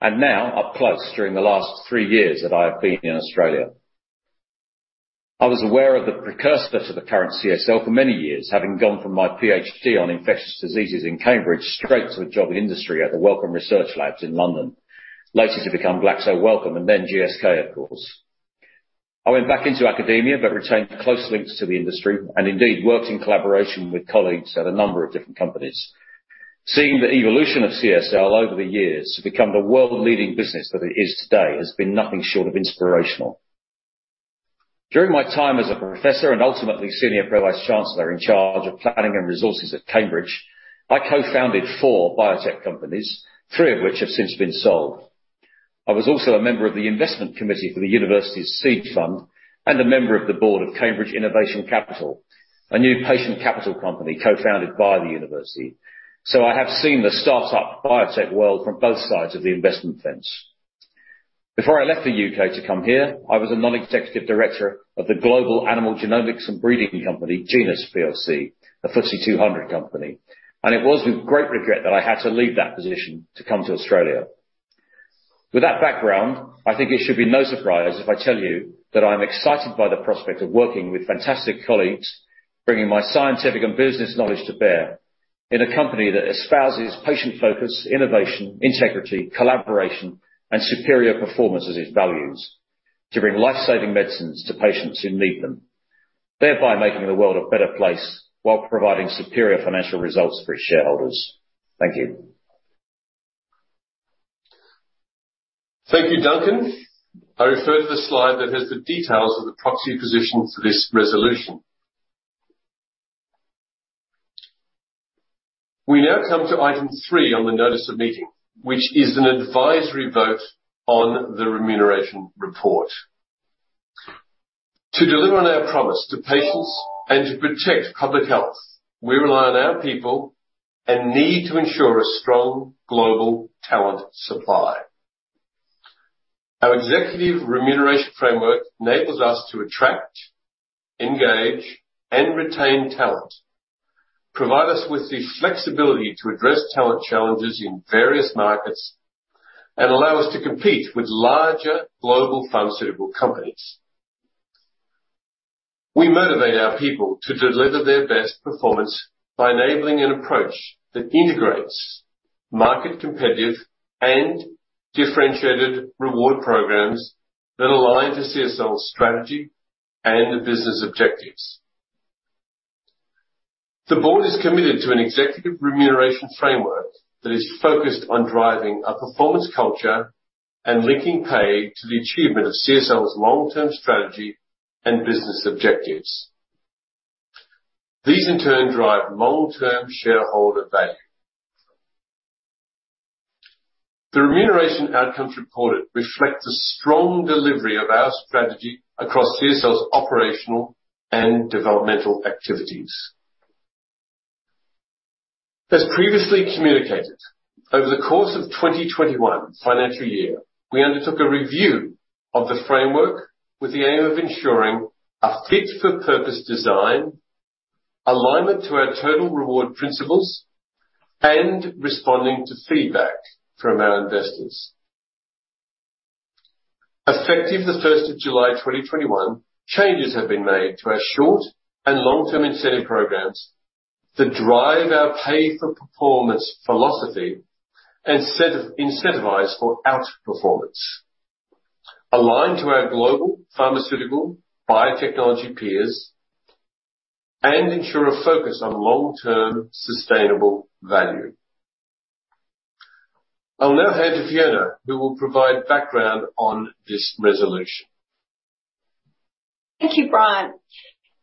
and now up close during the last three years that I have been in Australia. I was aware of the precursor to the current CSL for many years, having gone from my PhD on infectious diseases in Cambridge straight to a job in industry at the Wellcome Research Laboratories in London, later to become Glaxo Wellcome and then GSK, of course. Retained close links to the industry and indeed worked in collaboration with colleagues at a number of different companies. Seeing the evolution of CSL over the years to become the world-leading business that it is today has been nothing short of inspirational. During my time as a Professor and ultimately Senior Pro Vice Chancellor in charge of planning and resources at the University of Cambridge, I co-founded four biotech companies, three of which have since been sold. I was also a member of the investment committee for the university's seed fund and a member of the board of Cambridge Innovation Capital, a new patient capital company co-founded by the university. I have seen the startup biotech world from both sides of the investment fence. Before I left the U.K. to come here, I was a non-executive director of the global animal genomics and breeding company, Genus PLC, a FTSE 250 company. It was with great regret that I had to leave that position to come to Australia. With that background, I think it should be no surprise if I tell you that I'm excited by the prospect of working with fantastic colleagues, bringing my scientific and business knowledge to bear in a company that espouses patient focus, innovation, integrity, collaboration, and superior performance as its values to bring life-saving medicines to patients who need them, thereby making the world a better place while providing superior financial results for its shareholders. Thank you. Thank you, Duncan. I refer to the slide that has the details of the proxy position for this resolution. We now come to item three on the notice of meeting, which is an advisory vote on the remuneration report. To deliver on our promise to patients and to protect public health, we rely on our people and need to ensure a strong global talent supply. Our executive remuneration framework enables us to attract, engage, and retain talent, provide us with the flexibility to address talent challenges in various markets, and allow us to compete with larger global pharmaceutical companies. We motivate our people to deliver their best performance by enabling an approach that integrates market-competitive and differentiated reward programs that align to CSL's strategy and the business objectives. The board is committed to an executive remuneration framework that is focused on driving a performance culture and linking pay to the achievement of CSL's long-term strategy and business objectives. These in turn drive long-term shareholder value. The remuneration outcomes reported reflect a strong delivery of our strategy across CSL's operational and developmental activities. As previously communicated, over the course of 2021 financial year, we undertook a review of the framework with the aim of ensuring a fit-for-purpose design, alignment to our total reward principles, and responding to feedback from our investors. Effective July 1st, 2021, changes have been made to our short and long-term incentive programs that drive our pay-for-performance philosophy, incentivize for outperformance, align to our global pharmaceutical biotechnology peers, and ensure a focus on long-term sustainable value. I'll now hand to Fiona, who will provide background on this resolution. Thank you, Brian.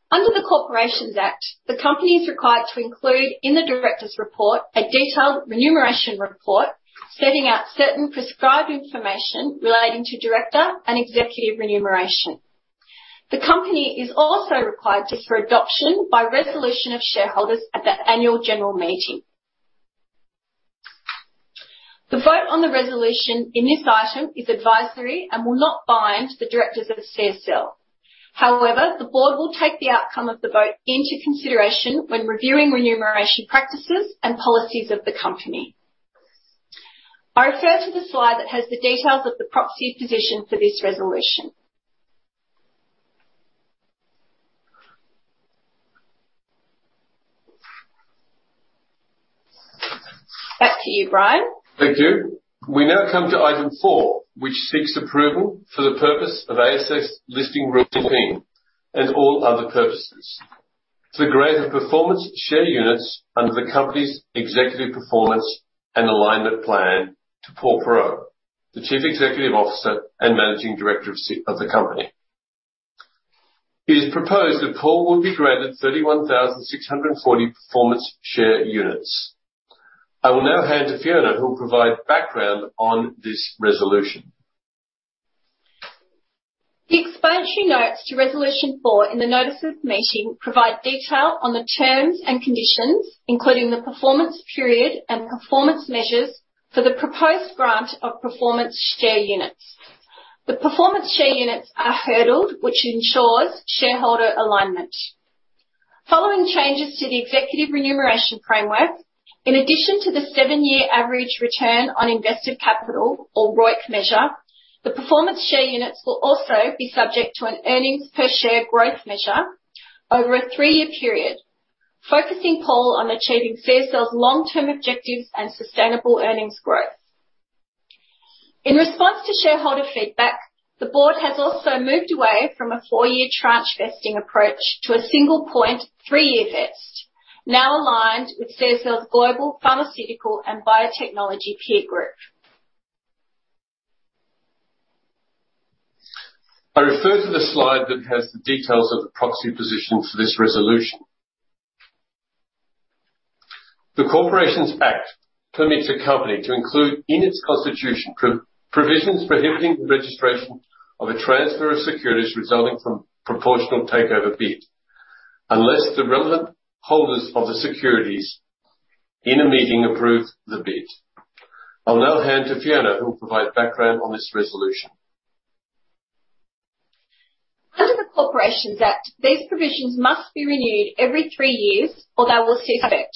Under the Corporations Act, the company is required to include in the director's report a detailed remuneration report, setting out certain prescribed information relating to director and executive remuneration. The company is also For adoption by resolution of shareholders at the annual general meeting. The vote on the resolution in this item is advisory and will not bind the directors of CSL. However, the board will take the outcome of the vote into consideration when reviewing remuneration practices and policies of the company. I refer to the slide that has the details of the proxy position for this resolution. Back to you, Brian. Thank you. We now come to Item four, which seeks approval for the purpose of ASX Listing Rules and all other purposes. To grant the performance share units under the company's Executive Performance and Alignment Plan to Paul Perreault, the Chief Executive Officer and Managing Director of the company. It is proposed that Paul will be granted 31,640 performance share units. I will now hand to Fiona, who will provide background on this resolution. The explanatory notes to Resolution Four in the notice of meeting provide detail on the terms and conditions, including the performance period and performance measures for the proposed grant of performance share units. The performance share units are hurdled, which ensures shareholder alignment. Following changes to the executive remuneration framework, in addition to the seven-year average return on invested capital, or ROIC measure, the performance share units will also be subject to an earnings per share growth measure over a three-year period, focusing Paul on achieving CSL's long-term objectives and sustainable earnings growth. In response to shareholder feedback, the board has also moved away from a four-year tranche vesting approach to a single point three-year vest, now aligned with CSL's global pharmaceutical and biotechnology peer group. I refer to the slide that has the details of the proxy position for this resolution. The Corporations Act permits a company to include in its constitution provisions prohibiting the registration of a transfer of securities resulting from proportional takeover bid, unless the relevant holders of the securities in a meeting approve the bid. I'll now hand to Fiona, who will provide background on this resolution. Under the Corporations Act, these provisions must be renewed every three years or they will cease effect.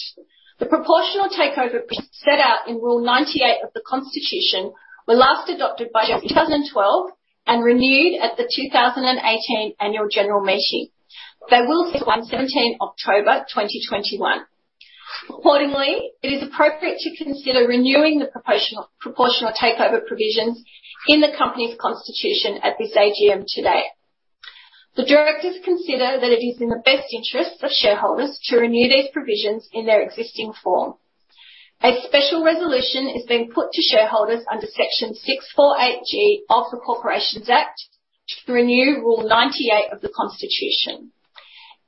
The proportional takeover set out in Rule 9.8 of the Constitution were last adopted by 2012 and renewed at the 2018 Annual General Meeting. They will cease on October 17, 2021. Accordingly, it is appropriate to consider renewing the proportional takeover provisions in the company's Constitution at this AGM today. The directors consider that it is in the best interest of shareholders to renew these provisions in their existing form. A special resolution is being put to shareholders under Section 648G of the Corporations Act to renew Rule 9.8 of the Constitution.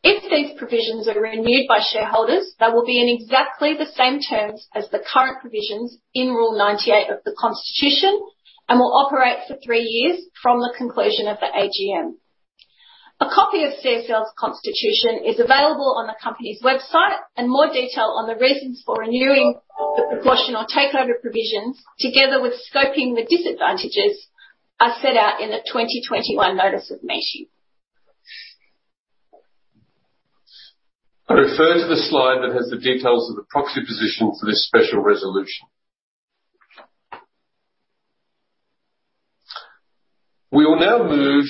If these provisions are renewed by shareholders, they will be in exactly the same terms as the current provisions in Rule 9.8 of the Constitution and will operate for three years from the conclusion of the AGM. A copy of CSL's Constitution is available on the company's website, and more detail on the reasons for renewing the proportional takeover provisions, together with scoping the disadvantages, are set out in the 2021 notice of meeting. I refer to the slide that has the details of the proxy position for this special resolution. We will now move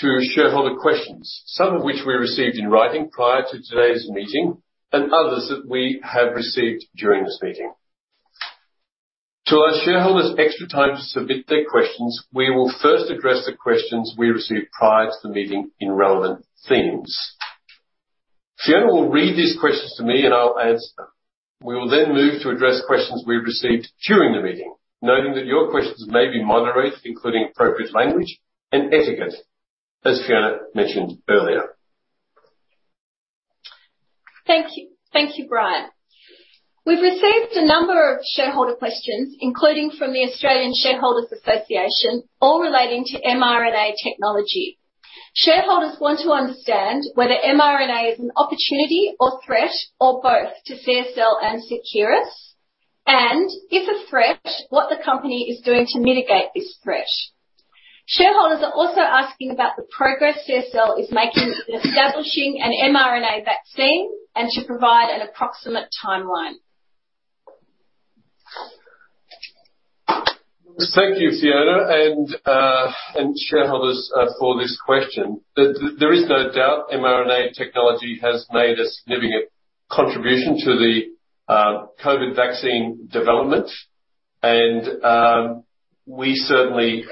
to shareholder questions, some of which we received in writing prior to today's meeting. Others that we have received during this meeting. To allow shareholders extra time to submit their questions, we will first address the questions we received prior to the meeting in relevant themes. Fiona will read these questions to me, and I'll answer them. We will then move to address questions we received during the meeting. Noting that your questions may be moderated, including appropriate language and etiquette, as Fiona mentioned earlier. Thank you, Brian. We've received a number of shareholder questions, including from the Australian Shareholders' Association, all relating to mRNA technology. Shareholders want to understand whether mRNA is an opportunity or threat, or both, to CSL and Seqirus. If a threat, what the company is doing to mitigate this threat. Shareholders are also asking about the progress CSL is making in establishing an mRNA vaccine and to provide an approximate timeline. Thank you, Fiona, and shareholders for this question. There is no doubt mRNA technology has made a significant contribution to the COVID vaccine development, and we certainly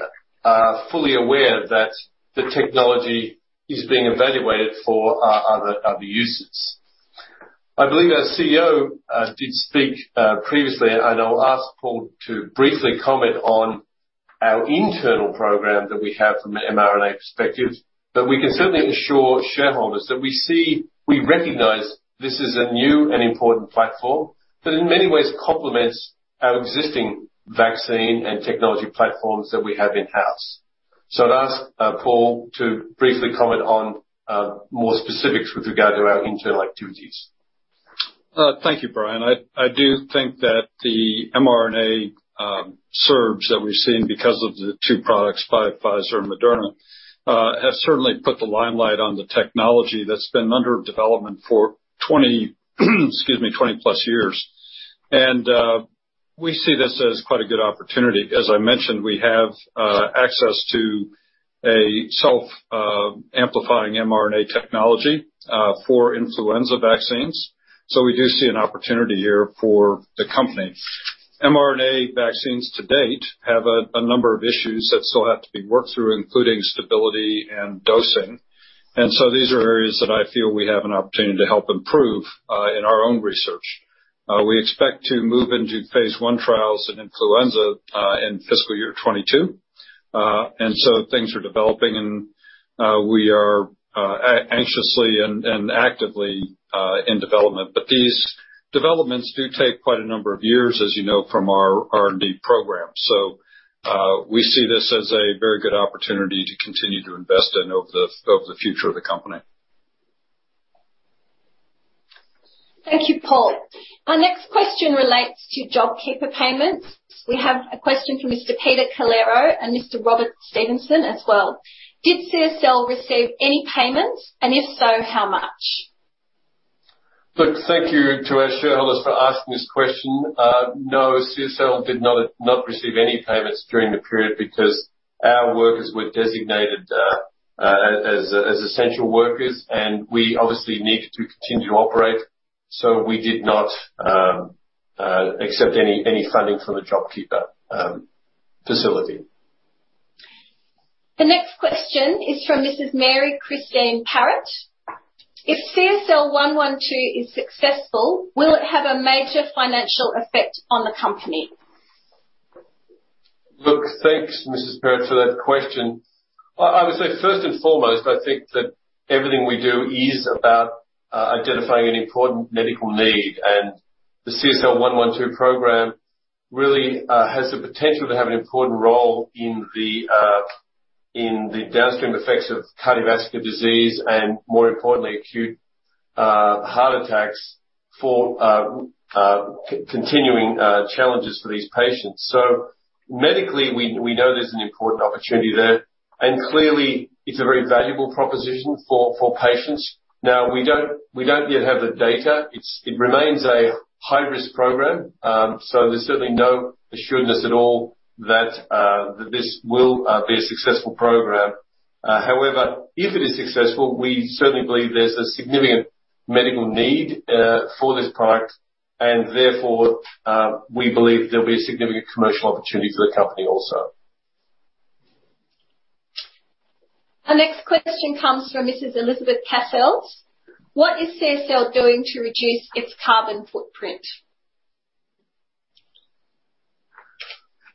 are fully aware that the technology is being evaluated for other uses. I believe our CEO did speak previously, and I'll ask Paul to briefly comment on our internal program that we have from an mRNA perspective. We can certainly assure shareholders that we recognize this is a new and important platform that in many ways complements our existing vaccine and technology platforms that we have in-house. I'd ask Paul to briefly comment on more specifics with regard to our internal activities. Thank you, Brian. I do think that the mRNA surge that we have seen because of the two products by Pfizer and Moderna, has certainly put the limelight on the technology that's been under development for 20+ years. We see this as quite a good opportunity. As I mentioned, we have access to a self-amplifying mRNA technology for influenza vaccines. We do see an opportunity here for the company. mRNA vaccines to date have a number of issues that still have to be worked through, including stability and dosing. These are areas that I feel we have an opportunity to help improve in our own research. We expect to move into phase I trials in influenza in fiscal year 2022. Things are developing and we are anxiously and actively in development. These developments do take quite a number of years, as you know from our R&D program. We see this as a very good opportunity to continue to invest in over the future of the company. Thank you, Paul. Our next question relates to JobKeeper payments. We have a question from Mr. Peter Calero and Mr. Robert Stevenson as well. Did CSL receive any payments? If so, how much? Thank you to our shareholders for asking this question. No, CSL did not receive any payments during the period because our workers were designated as essential workers, and we obviously needed to continue to operate. We did not accept any funding from the JobKeeper facility. The next question is from Mrs. Christine Mary Parrott. If CSL112 is successful, will it have a major financial effect on the company? Look, thanks, Mrs. Parrott, for that question. I would say first and foremost, I think that everything we do is about identifying an important medical need. The CSL112 program really has the potential to have an important role in the downstream effects of cardiovascular disease and, more importantly, acute heart attacks for continuing challenges for these patients. Medically, we know there's an important opportunity there. Clearly it's a very valuable proposition for patients. We don't yet have the data. It remains a high-risk program. There's certainly no assuredness at all that this will be a successful program. However, if it is successful, we certainly believe there's a significant medical need for this product, and therefore, we believe there'll be a significant commercial opportunity for the company also. Our next question comes from Mrs. Elizabeth Cassels. What is CSL doing to reduce its carbon footprint?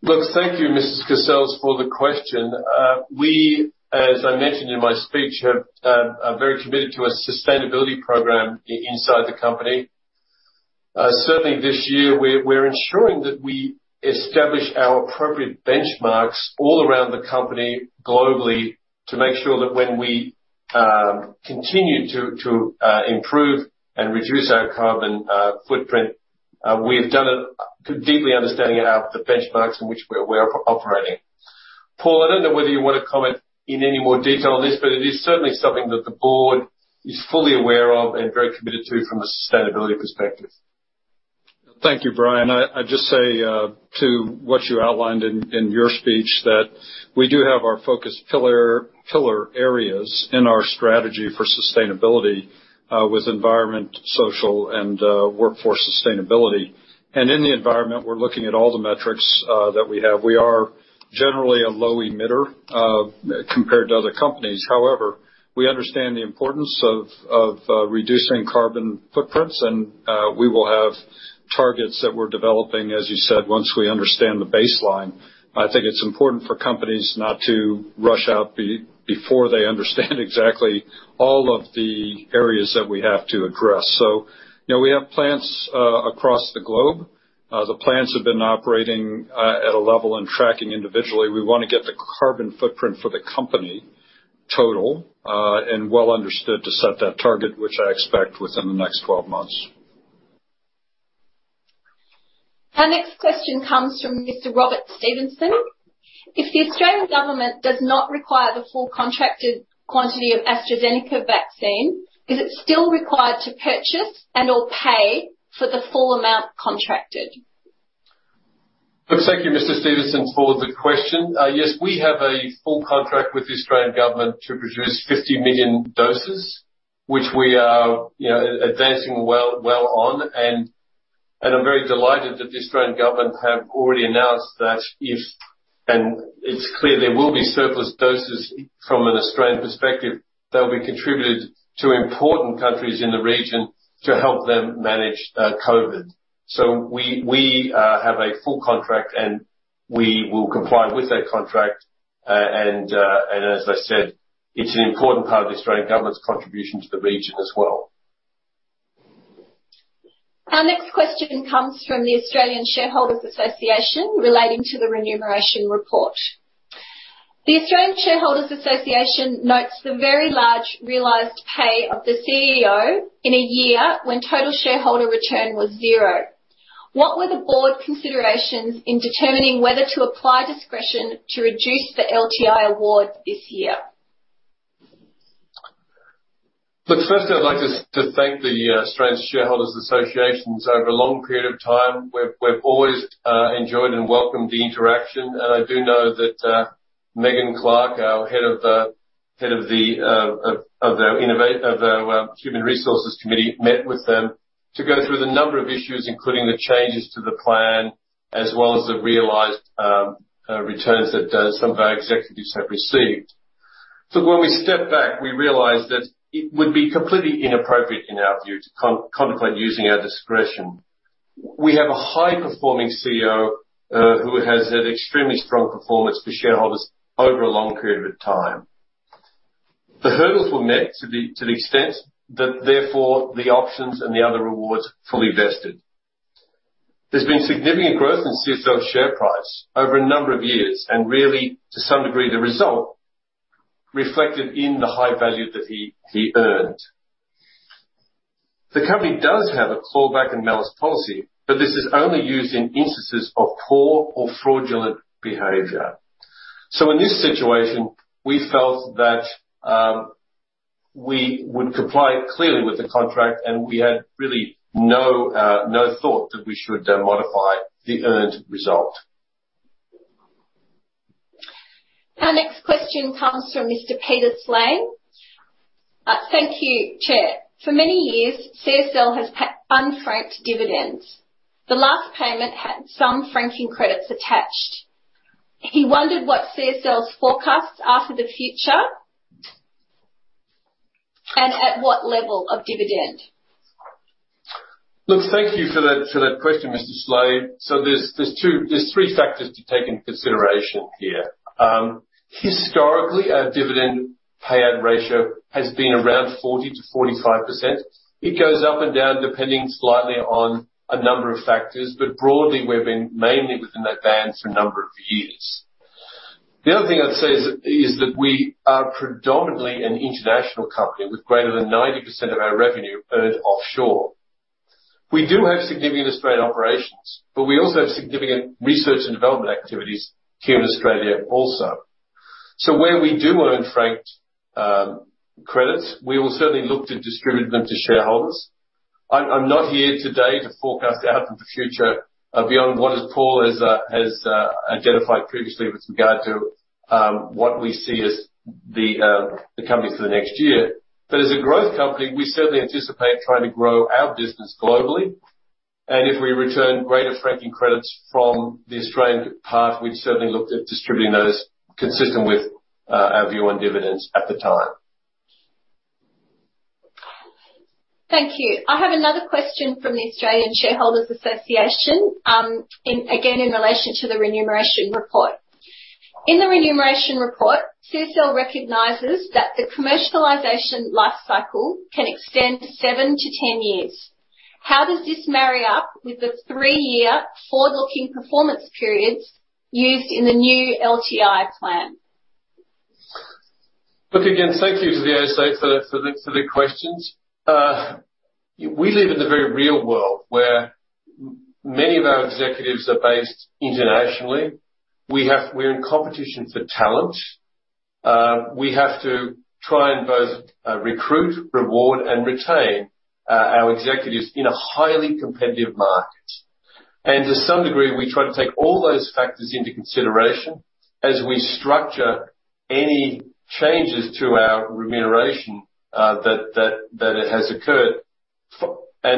Look, thank you, Mrs. Cassels, for the question. We, as I mentioned in my speech, are very committed to a sustainability program inside the company. Certainly, this year, we're ensuring that we establish our appropriate benchmarks all around the company globally to make sure that when we continue to improve and reduce our carbon footprint, we've done it deeply understanding the benchmarks in which we're operating. Paul, I don't know whether you want to comment in any more detail on this, but it is certainly something that the board is fully aware of and very committed to from a sustainability perspective. Thank you, Brian. I'd just say to what you outlined in your speech, that we do have our focus pillar areas in our strategy for sustainability, with environment, social, and workforce sustainability. In the environment, we're looking at all the metrics that we have. We are generally a low emitter compared to other companies. We understand the importance of reducing carbon footprints, and we will have targets that we're developing. As you said, once we understand the baseline. I think it's important for companies not to rush out before they understand exactly all of the areas that we have to address. We have plants across the globe. The plants have been operating at a level and tracking individually. We want to get the carbon footprint for the company total and well understood to set that target, which I expect within the next 12 months. Our next question comes from Mr. Robert Stevenson. If the Australian government does not require the full contracted quantity of AstraZeneca vaccine, is it still required to purchase and/or pay for the full amount contracted? Thank you, Mr. Stevenson, for the question. Yes, we have a full contract with the Australian government to produce 50 million doses, which we are advancing well on. I'm very delighted that the Australian government have already announced that if, and it's clear there will be surplus doses from an Australian perspective, they'll be contributed to important countries in the region to help them manage COVID. We have a full contract, and we will comply with that contract. As I said, it's an important part of the Australian government's contribution to the region as well. Our next question comes from the Australian Shareholders' Association relating to the remuneration report. The Australian Shareholders' Association notes the very large realized pay of the CEO in a year when total shareholder return was zero. What were the board considerations in determining whether to apply discretion to reduce the LTI awards this year? Firstly, I'd like to thank the Australian Shareholders' Association. Over a long period of time, we've always enjoyed and welcomed the interaction. I do know that Megan Clark, our head of the Human Resources Committee, met with them to go through the number of issues, including the changes to the plan, as well as the realized returns that some of our executives have received. When we step back, we realize that it would be completely inappropriate in our view to contemplate using our discretion. We have a high-performing CEO who has had extremely strong performance for shareholders over a long period of time. The hurdles were met to the extent that therefore the options and the other rewards fully vested. There's been significant growth in CSL's share price over a number of years, and really, to some degree, the result reflected in the high value that he earned. The company does have a claw back and malus policy, but this is only used in instances of poor or fraudulent behavior. In this situation, we felt that we would comply clearly with the contract, and we had really no thought that we should modify the earned result. Our next question comes from Mr. Peter Slay. Thank you, Chair. For many years, CSL has paid unfranked dividends. The last payment had some franking credits attached. He wondered what CSL's forecasts are for the future, and at what level of dividend. Thank you for that question, Mr. Slay. There's three factors to take into consideration here. Historically, our dividend payout ratio has been around 40%-45%. It goes up and down, depending slightly on a number of factors. Broadly, we've been mainly within that band for a number of years. The other thing I'd say is that we are predominantly an international company, with greater than 90% of our revenue earned offshore. We do have significant Australian operations, but we also have significant research and development activities here in Australia also. Where we do own franked credits, we will certainly look to distribute them to shareholders. I'm not here today to forecast out into the future beyond what Paul has identified previously with regard to what we see as the company for the next year. As a growth company, we certainly anticipate trying to grow our business globally. If we return greater franking credits from the Australian path, we'd certainly look at distributing those consistent with our view on dividends at the time. Thank you. I have another question from the Australian Shareholders' Association, again, in relation to the remuneration report. In the remuneration report, CSL recognizes that the commercialization life cycle can extend seven to 10 years. How does this marry up with the three-year forward-looking performance periods used in the new LTI plan? Again, thank you to the ASA for the questions. We live in the very real world where many of our executives are based internationally. We're in competition for talent. We have to try and both recruit, reward, and retain our executives in a highly competitive market. To some degree, we try to take all those factors into consideration as we structure any changes to our remuneration that it has occurred,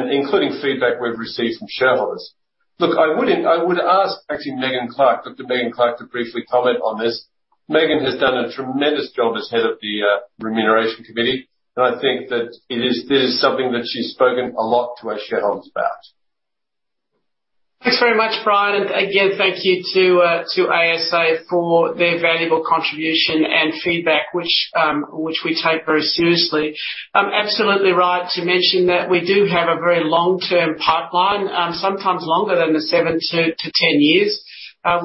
including feedback we've received from shareholders. I would ask Dr. Megan Clark to briefly comment on this. Megan has done a tremendous job as head of the Remuneration Committee, I think that this is something that she's spoken a lot to our shareholders about. Thanks very much, Brian. Again, thank you to ASA for their valuable contribution and feedback, which we take very seriously. Absolutely right to mention that we do have a very long-term pipeline, sometimes longer than the seven to 10 years.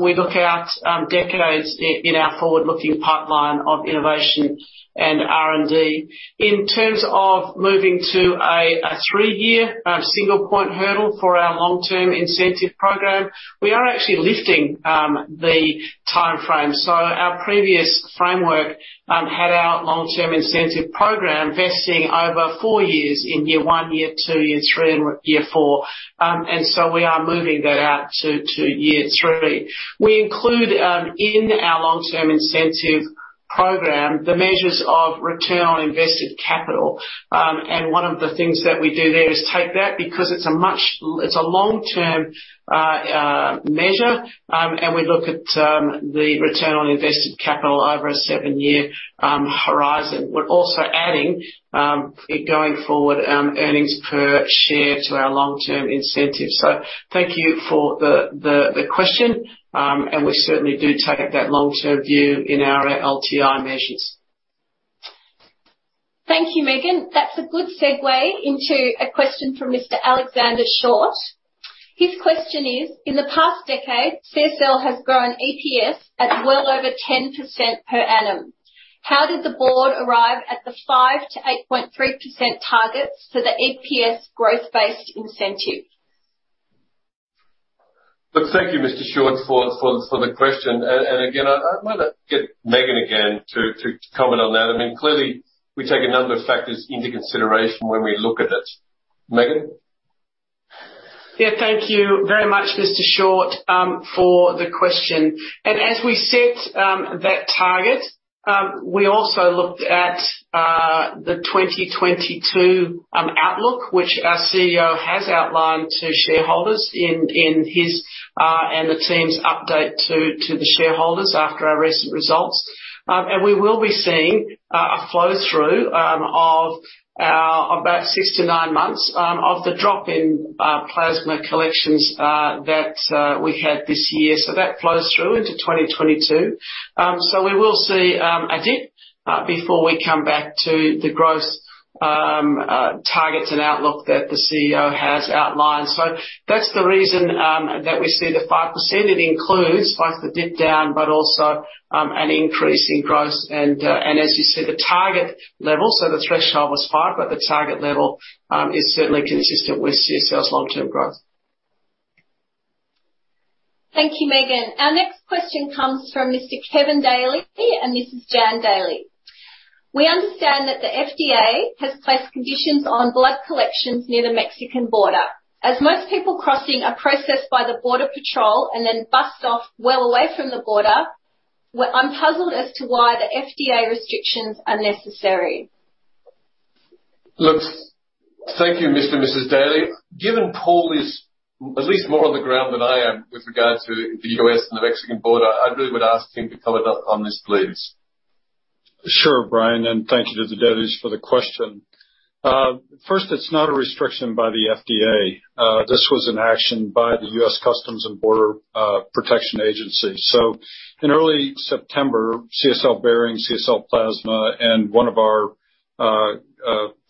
We look out decades in our forward-looking pipeline of innovation and R&D. In terms of moving to a three-year single point hurdle for our long-term incentive program, we are actually lifting the timeframe. Our previous framework had our long-term incentive program vesting over four years, in year one, year two, year three, and year four. We are moving that out to year three. We include in our long-term incentive program, the measures of return on invested capital. One of the things that we do there is take that, because it's a long-term measure, and we look at the return on invested capital over a seven-year horizon. We're also adding, going forward, earnings per share to our long-term incentive. Thank you for the question, and we certainly do take that long-term view in our LTI measures. Thank you, Megan. That's a good segue into a question from Mr. Alexander Short. His question is, "In the past decade, CSL has grown EPS at well over 10% per annum. How did the board arrive at the 5%-8.3% targets for the EPS growth-based incentive? Look, thank you, Mr. Short, for the question. Again, I might get Megan again to comment on that. Clearly, we take a number of factors into consideration when we look at it. Megan? Thank you very much, Mr. Short, for the question. As we set that target, we also looked at the 2022 outlook, which our CEO has outlined to shareholders in his and the team's update to the shareholders after our recent results. We will be seeing a flow-through of about six to nine months of the drop in plasma collections that we had this year. That flows through into 2022. We will see a dip before we come back to the growth targets and outlook that the CEO has outlined. That's the reason that we see the 5%. It includes both the dip down, but also an increase in growth. As you see, the target level, so the threshold was five, but the target level is certainly consistent with CSL's long-term growth. Thank you, Megan. Our next question comes from Mr. Kevin Daly, and Mrs. Jan Daly: "We understand that the FDA has placed conditions on blood collections near the Mexican border. As most people crossing are processed by the border patrol and then bused off well away from the border, we're unpuzzled as to why the FDA restrictions are necessary. Thank you, Mr. and Mrs. Daly. Given Paul is at least more on the ground than I am with regard to the U.S. and the Mexican border, I really would ask him to comment on this, please. Sure, Brian. Thank you to the Dalys for the question. First, it's not a restriction by the FDA. This was an action by the U.S. Customs and Border Protection agency. In early September, CSL Behring, CSL Plasma, and one of our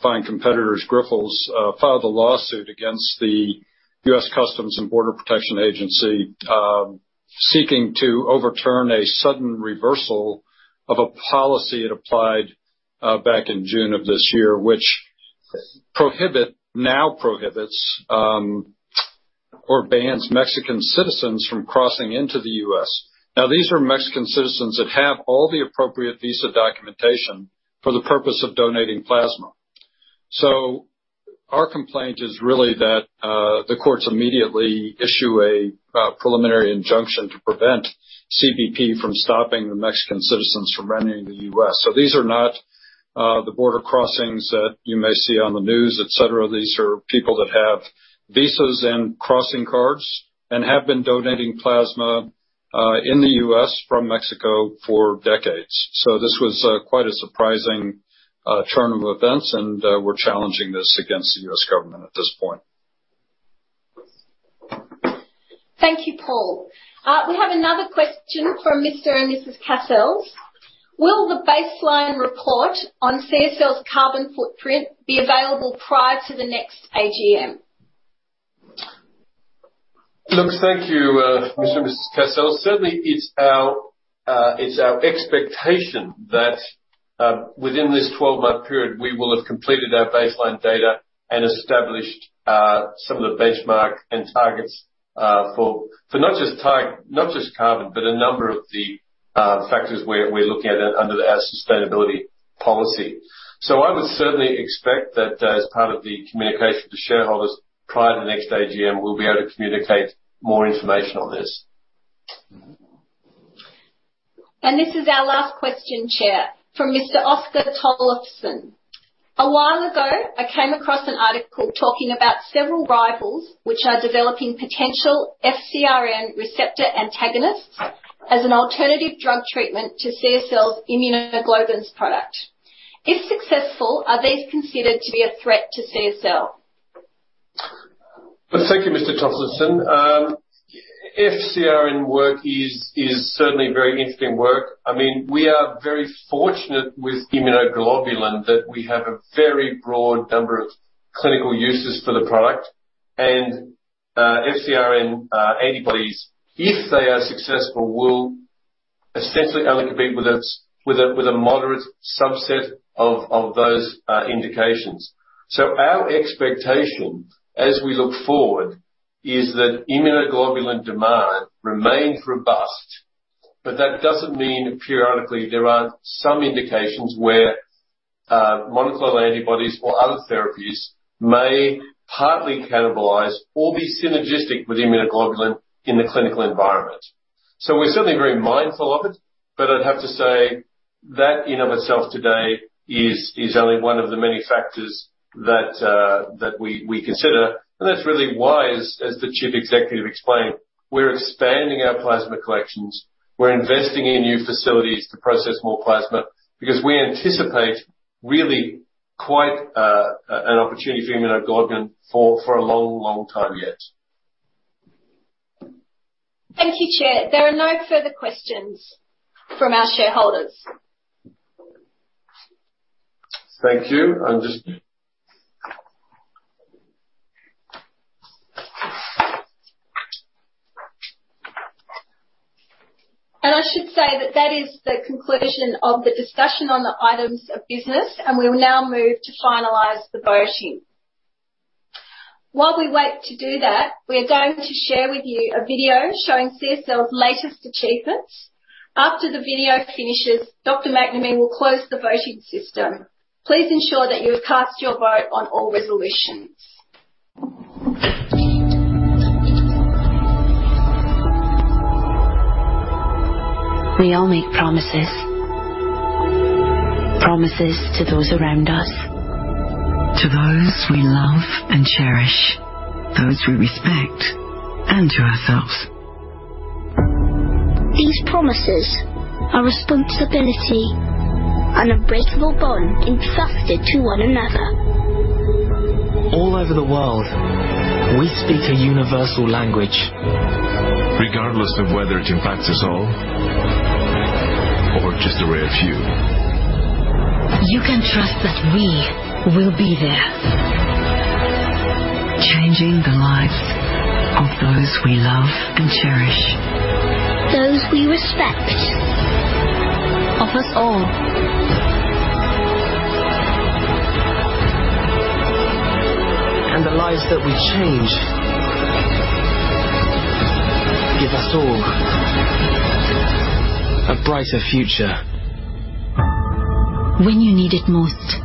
fine competitors, Grifols, filed a lawsuit against the U.S. Customs and Border Protection agency, seeking to overturn a sudden reversal of a policy it applied back in June of this year, which now prohibits or bans Mexican citizens from crossing into the U.S. These are Mexican citizens that have all the appropriate visa documentation for the purpose of donating plasma. Our complaint is really that the courts immediately issue a preliminary injunction to prevent CBP from stopping the Mexican citizens from entering the U.S. These are not the border crossings that you may see on the news, et cetera. These are people that have visas and crossing cards and have been donating plasma in the U.S. from Mexico for decades. This was quite a surprising turn of events, and we're challenging this against the U.S. Government at this point. Thank you, Paul. We have another question from Mr. and Mrs. Cassells: "Will the baseline report on CSL's carbon footprint be available prior to the next AGM? Thank you, Mr. and Mrs. Cassells. Certainly, it's our expectation that within this 12-month period, we will have completed our baseline data and established some of the benchmark and targets for not just carbon, but a number of the factors we're looking at under our sustainability policy. I would certainly expect that as part of the communication to shareholders prior to the next AGM, we'll be able to communicate more information on this. This is our last question, Chair, from Mr. Oscar Tollefson: "A while ago, I came across an article talking about several rivals, which are developing potential FcRn receptor antagonists as an alternative drug treatment to CSL's immunoglobulins product. If successful, are these considered to be a threat to CSL? Well, thank you, Mr. Tollefson. FcRn work is certainly very interesting work. We are very fortunate with immunoglobulin that we have a very broad number of clinical uses for the product and FcRn antibodies, if they are successful, will essentially only compete with a moderate subset of those indications. Our expectation as we look forward is that immunoglobulin demand remains robust, but that doesn't mean periodically there aren't some indications where monoclonal antibodies or other therapies may partly cannibalize or be synergistic with immunoglobulin in the clinical environment. We're certainly very mindful of it, but I'd have to say that in of itself today is only one of the many factors that we consider, and that's really why, as the chief executive explained, we're expanding our plasma collections, we're investing in new facilities to process more plasma because we anticipate really quite an opportunity for immunoglobulin for a long, long time yet. Thank you, Chair. There are no further questions from our shareholders. Thank you. I'm just I should say that that is the conclusion of the discussion on the items of business, and we will now move to finalize the voting. While we wait to do that, we are going to share with you a video showing CSL's latest achievements. After the video finishes, Dr. McNamee will close the voting system. Please ensure that you have cast your vote on all resolutions. We all make promises. Promises to those around us. To those we love and cherish, those we respect, and to ourselves. These promises are responsibility, an unbreakable bond entrusted to one another. All over the world, we speak a universal language. Regardless of whether it impacts us all or just a rare few. You can trust that we will be there. Changing the lives of those we love and cherish. Those we respect. Of us all. The lives that we change give us all a brighter future. When you need it most.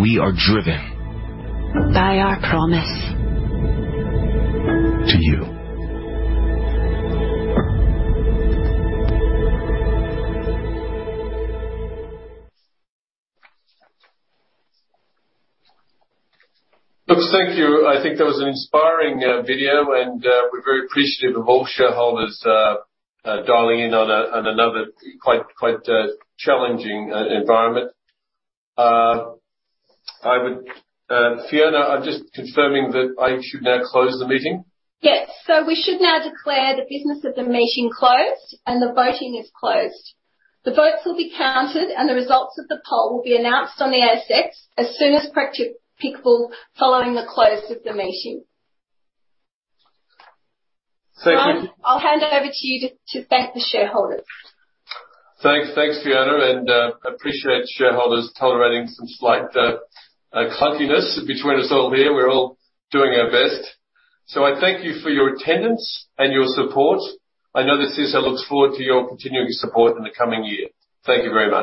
We are driven. By our promise. To you. Look. Thank you. I think that was an inspiring video, and we're very appreciative of all shareholders dialing in on another quite challenging environment. Fiona, I'm just confirming that I should now close the meeting. Yes. We should now declare the business of the meeting closed and the voting is closed. The votes will be counted, and the results of the poll will be announced on the ASX as soon as practicable following the close of the meeting. Thank you. I'll hand it over to you to thank the shareholders. Thanks, Fiona. Appreciate shareholders tolerating some slight clunkiness between us all here. We're all doing our best. I thank you for your attendance and your support. I know the CSL looks forward to your continuing support in the coming year. Thank you very much.